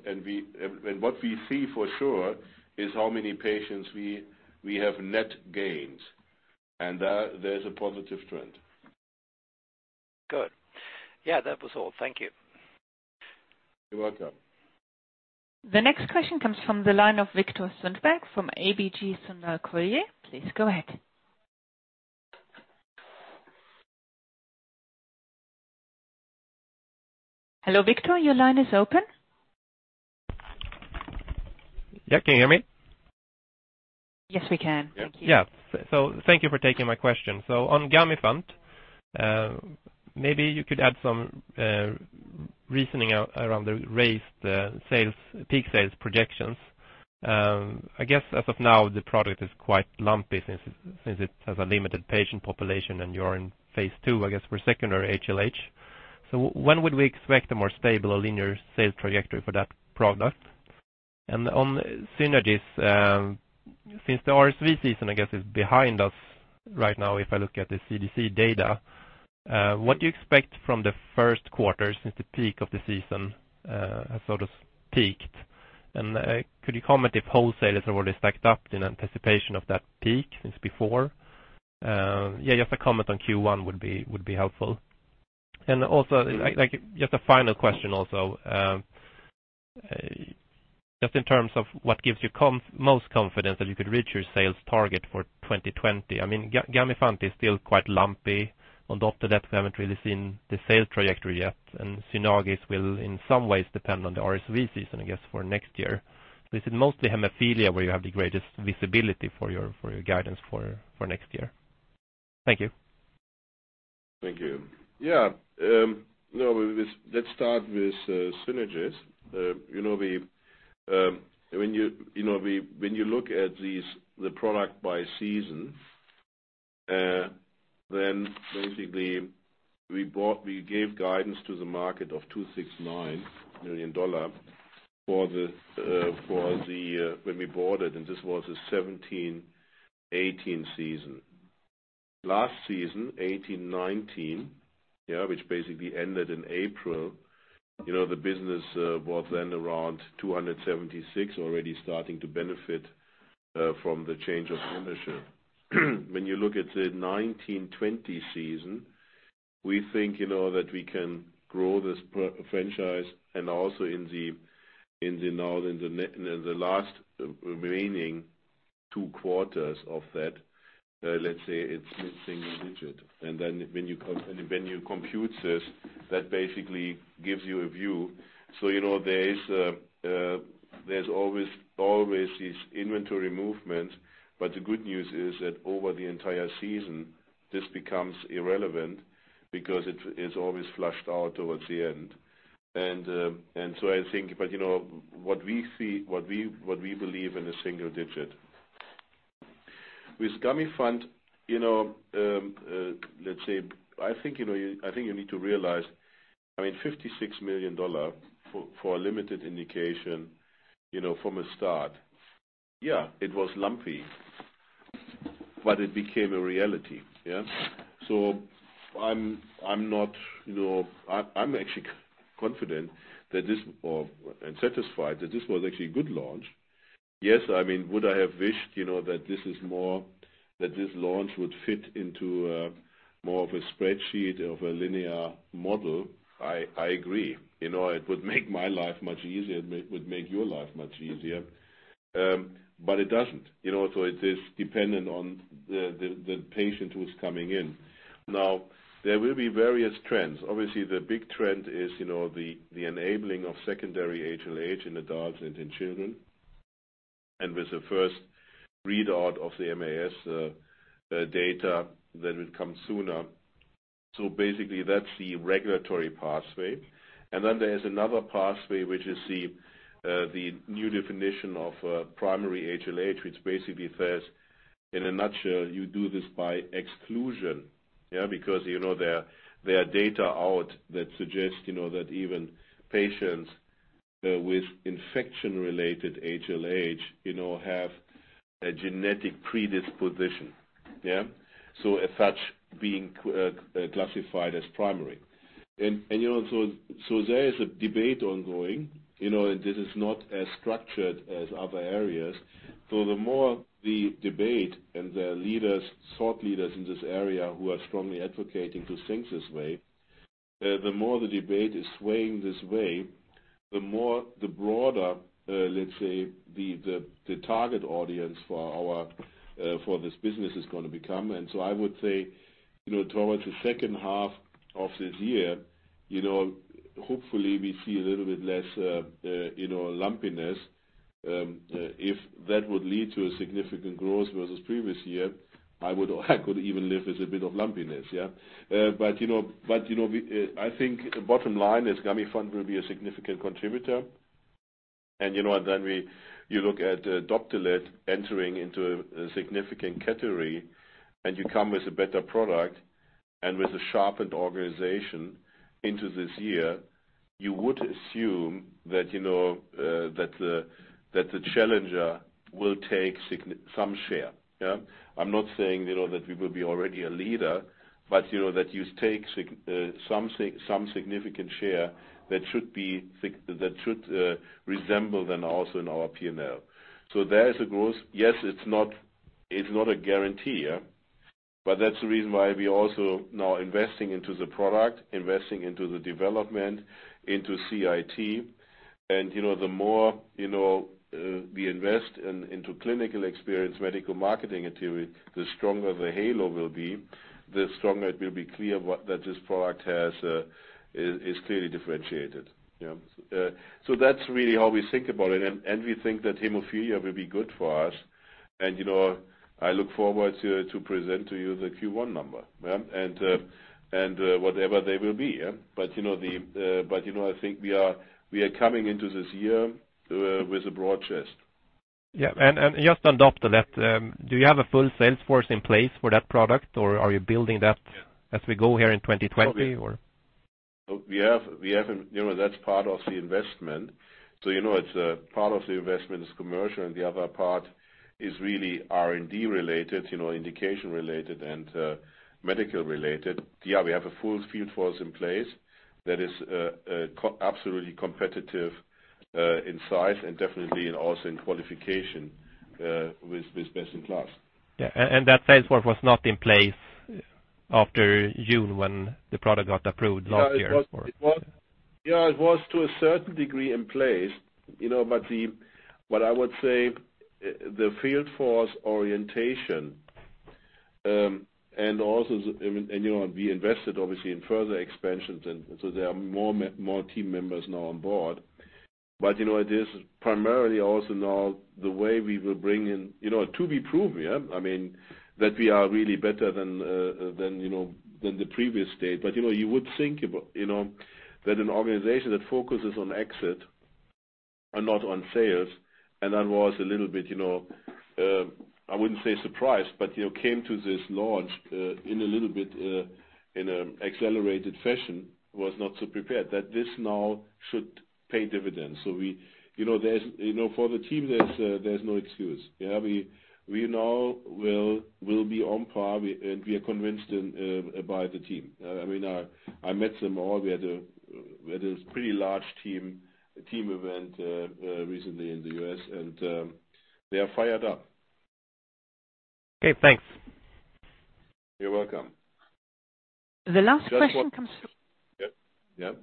What we see for sure is how many patients we have net gains. There's a positive trend. Good. Yeah, that was all. Thank you. You're welcome. The next question comes from the line of Viktor Sundberg from ABG Sundal Collier. Please go ahead. Hello, Viktor. Your line is open. Yeah. Can you hear me? Yes, we can. Thank you. Thank you for taking my question. On Gamifant, maybe you could add some reasoning around the raised peak sales projections. I guess as of now, the product is quite lumpy since it has a limited patient population, and you're in phase II, I guess, for secondary HLH. When would we expect a more stable or linear sales trajectory for that product? On Synagis, since the RSV season, I guess, is behind us right now, if I look at the CDC data, what do you expect from the first quarter since the peak of the season has sort of peaked? Could you comment if wholesalers have already stacked up in anticipation of that peak since before? Just a comment on Q1 would be helpful. Just a final question also. Just in terms of what gives you most confidence that you could reach your sales target for 2020. Gamifant is still quite lumpy. On Doptelet, we haven't really seen the sales trajectory yet. Synagis will in some ways depend on the RSV season, I guess, for next year. Is it mostly hemophilia where you have the greatest visibility for your guidance for next year? Thank you. Thank you. Let's start with Synagis. When you look at the product by season, basically we gave guidance to the market of $269 million when we bought it, this was a 2017, 2018 season. Last season, 2018, 2019, which basically ended in April, the business was around $276 million, already starting to benefit from the change of ownership. When you look at the 2019, 2020 season, we think that we can grow this franchise, and also in the last remaining two quarters of that, let's say it's mid-single digit. When you compute this, that basically gives you a view. There's always this inventory movement. The good news is that over the entire season, this becomes irrelevant because it's always flushed out towards the end. I think what we believe in a single digit. With Gamifant, let's say, I think you need to realize, $56 million for a limited indication from a start. Yeah, it was lumpy, but it became a reality. Yeah. I'm actually confident and satisfied that this was actually a good launch. Yes. Would I have wished that this launch would fit into more of a spreadsheet of a linear model? I agree. It would make my life much easier; it would make your life much easier. It doesn't. It is dependent on the patient who's coming in. Now, there will be various trends. Obviously, the big trend is the enabling of secondary HLH in adults and in children. With the first readout of the MAS data that will come sooner. Basically, that's the regulatory pathway. There is another pathway, which is the new definition of primary HLH, which basically says, in a nutshell, you do this by exclusion. Because there are data out that suggests that even patients with infection-related HLH have a genetic predisposition. As such, being classified as primary. There is a debate ongoing, and this is not as structured as other areas. The more the debate and their thought leaders in this area who are strongly advocating to think this way, the more the debate is swaying this way, the broader, let's say, the target audience for this business is going to become. I would say, towards the second half of this year, hopefully, we see a little bit less lumpiness. If that would lead to a significant growth versus previous year, I could even live with a bit of lumpiness. I think the bottom line is Gamifant will be a significant contributor. Then you look at Doptelet entering into a significant category, and you come with a better product and with a sharpened organization into this year, you would assume that the challenger will take some share. I'm not saying that we will be already a leader, but that you take some significant share that should resemble then also in our P&L. There is a growth. Yes, it's not a guarantee. That's the reason why we also now investing into the product, investing into the development, into CIT. The more we invest into clinical experience, medical marketing activity, the stronger the halo will be, the stronger it will be clear that this product is clearly differentiated. That's really how we think about it. We think that hemophilia will be good for us. I look forward to present to you the Q1 number. Whatever they will be. I think we are coming into this year with a broad chest. Yeah. Just on Doptelet, do you have a full sales force in place for that product, or are you building that as we go here in 2020? That's part of the investment. Part of the investment is commercial, and the other part is really R&D related, indication related, and medical related. Yeah, we have a full field force in place that is absolutely competitive in size and definitely also in qualification with best in class. That sales force was not in place after June when the product got approved last year. It was, to a certain degree in place. I would say the field force orientation, and we invested obviously in further expansions, there are more team members now on board. It is primarily also now the way we will bring in to be proven. That we are really better than the previous state. You would think that an organization that focuses on exit and not on sales, and that was a little bit, I wouldn't say surprised, but came to this launch in a little bit, in an accelerated fashion, was not so prepared. That this now should pay dividends. For the team, there's no excuse. We now will be on par, and we are convinced by the team. I met them all. We had a pretty large team event recently in the U.S., and they are fired up. Okay, thanks. You're welcome. The last question comes from.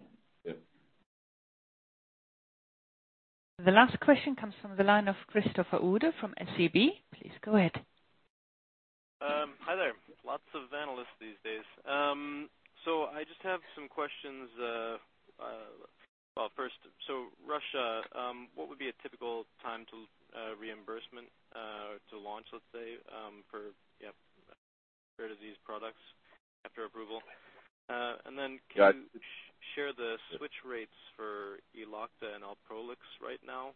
Yep. The last question comes from the line of Christopher Uhde from SEB. Please go ahead. Hi there. Lots of analysts these days. I just have some questions. First, Russia, what would be a typical time to reimbursement to launch, let's say, for rare disease products after approval? Can you share the switch rates for Elocta and Alprolix right now?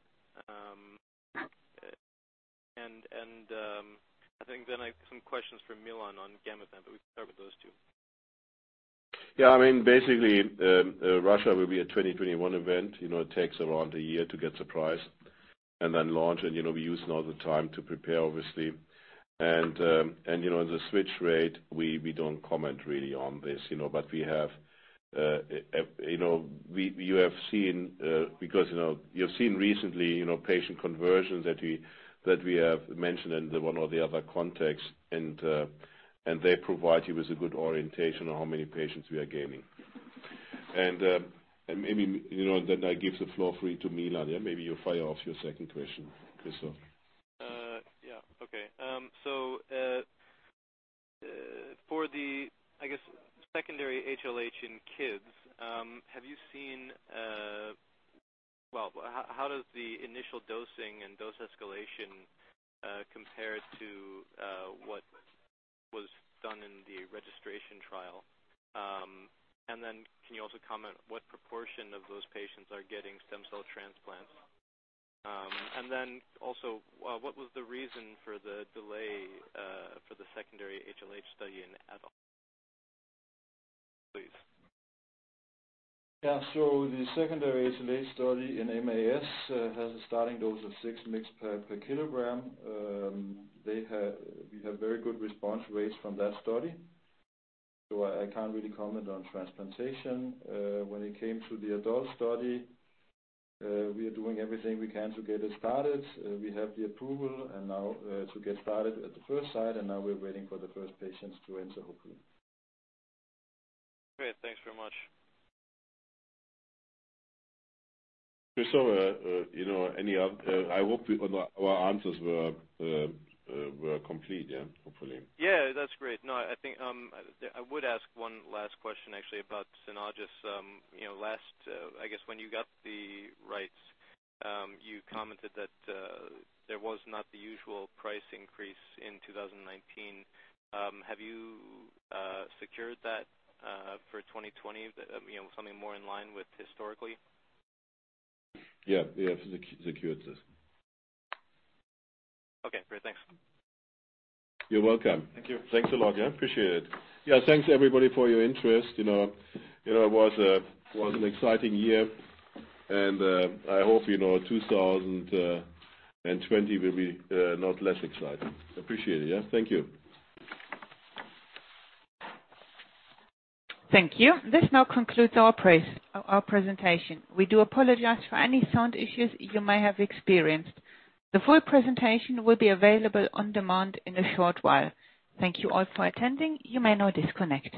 I think I have some questions for Milan on Gamifant, but we can start with those two. Basically, Russia will be a 2021 event. It takes around a year to get the price and then launch. We use now the time to prepare, obviously. The switch rate, we don't comment really on this. You've seen recently patient conversions that we have mentioned in the one or the other context. They provide you with a good orientation on how many patients we are gaining. Maybe then I give the floor free to Milan. Maybe you fire off your second question, Christopher. Okay. For the, I guess, secondary HLH in kids, how does the initial dosing and dose escalation compare to what was done in the registration trial? Can you also comment what proportion of those patients are getting stem cell transplants? Also, what was the reason for the delay for the secondary HLH study in adults, please? Yeah. The secondary HLH study in MAS has a starting dose of 6 mg per kg. We have very good response rates from that study. I can't really comment on transplantation. When it came to the adult study, we are doing everything we can to get it started. We have the approval to get started at the first site, and now we're waiting for the first patients to enter, hopefully. Great. Thanks very much. Christopher, I hope our answers were complete, yeah, hopefully. Yeah. That's great. No, I would ask one last question actually about Synagis. Last, I guess, when you got the rights, you commented that there was not the usual price increase in 2019. Have you secured that for 2020, something more in line with historically? Yeah. We have secured this. Okay, great. Thanks. You're welcome. Thank you. Thanks a lot. Yeah. Appreciate it. Yeah, thanks everybody for your interest. It was an exciting year, and I hope 2020 will be not less exciting. Appreciate it. Yeah. Thank you. Thank you. This now concludes our presentation. We do apologize for any sound issues you may have experienced. The full presentation will be available on demand in a short while. Thank you all for attending. You may now disconnect.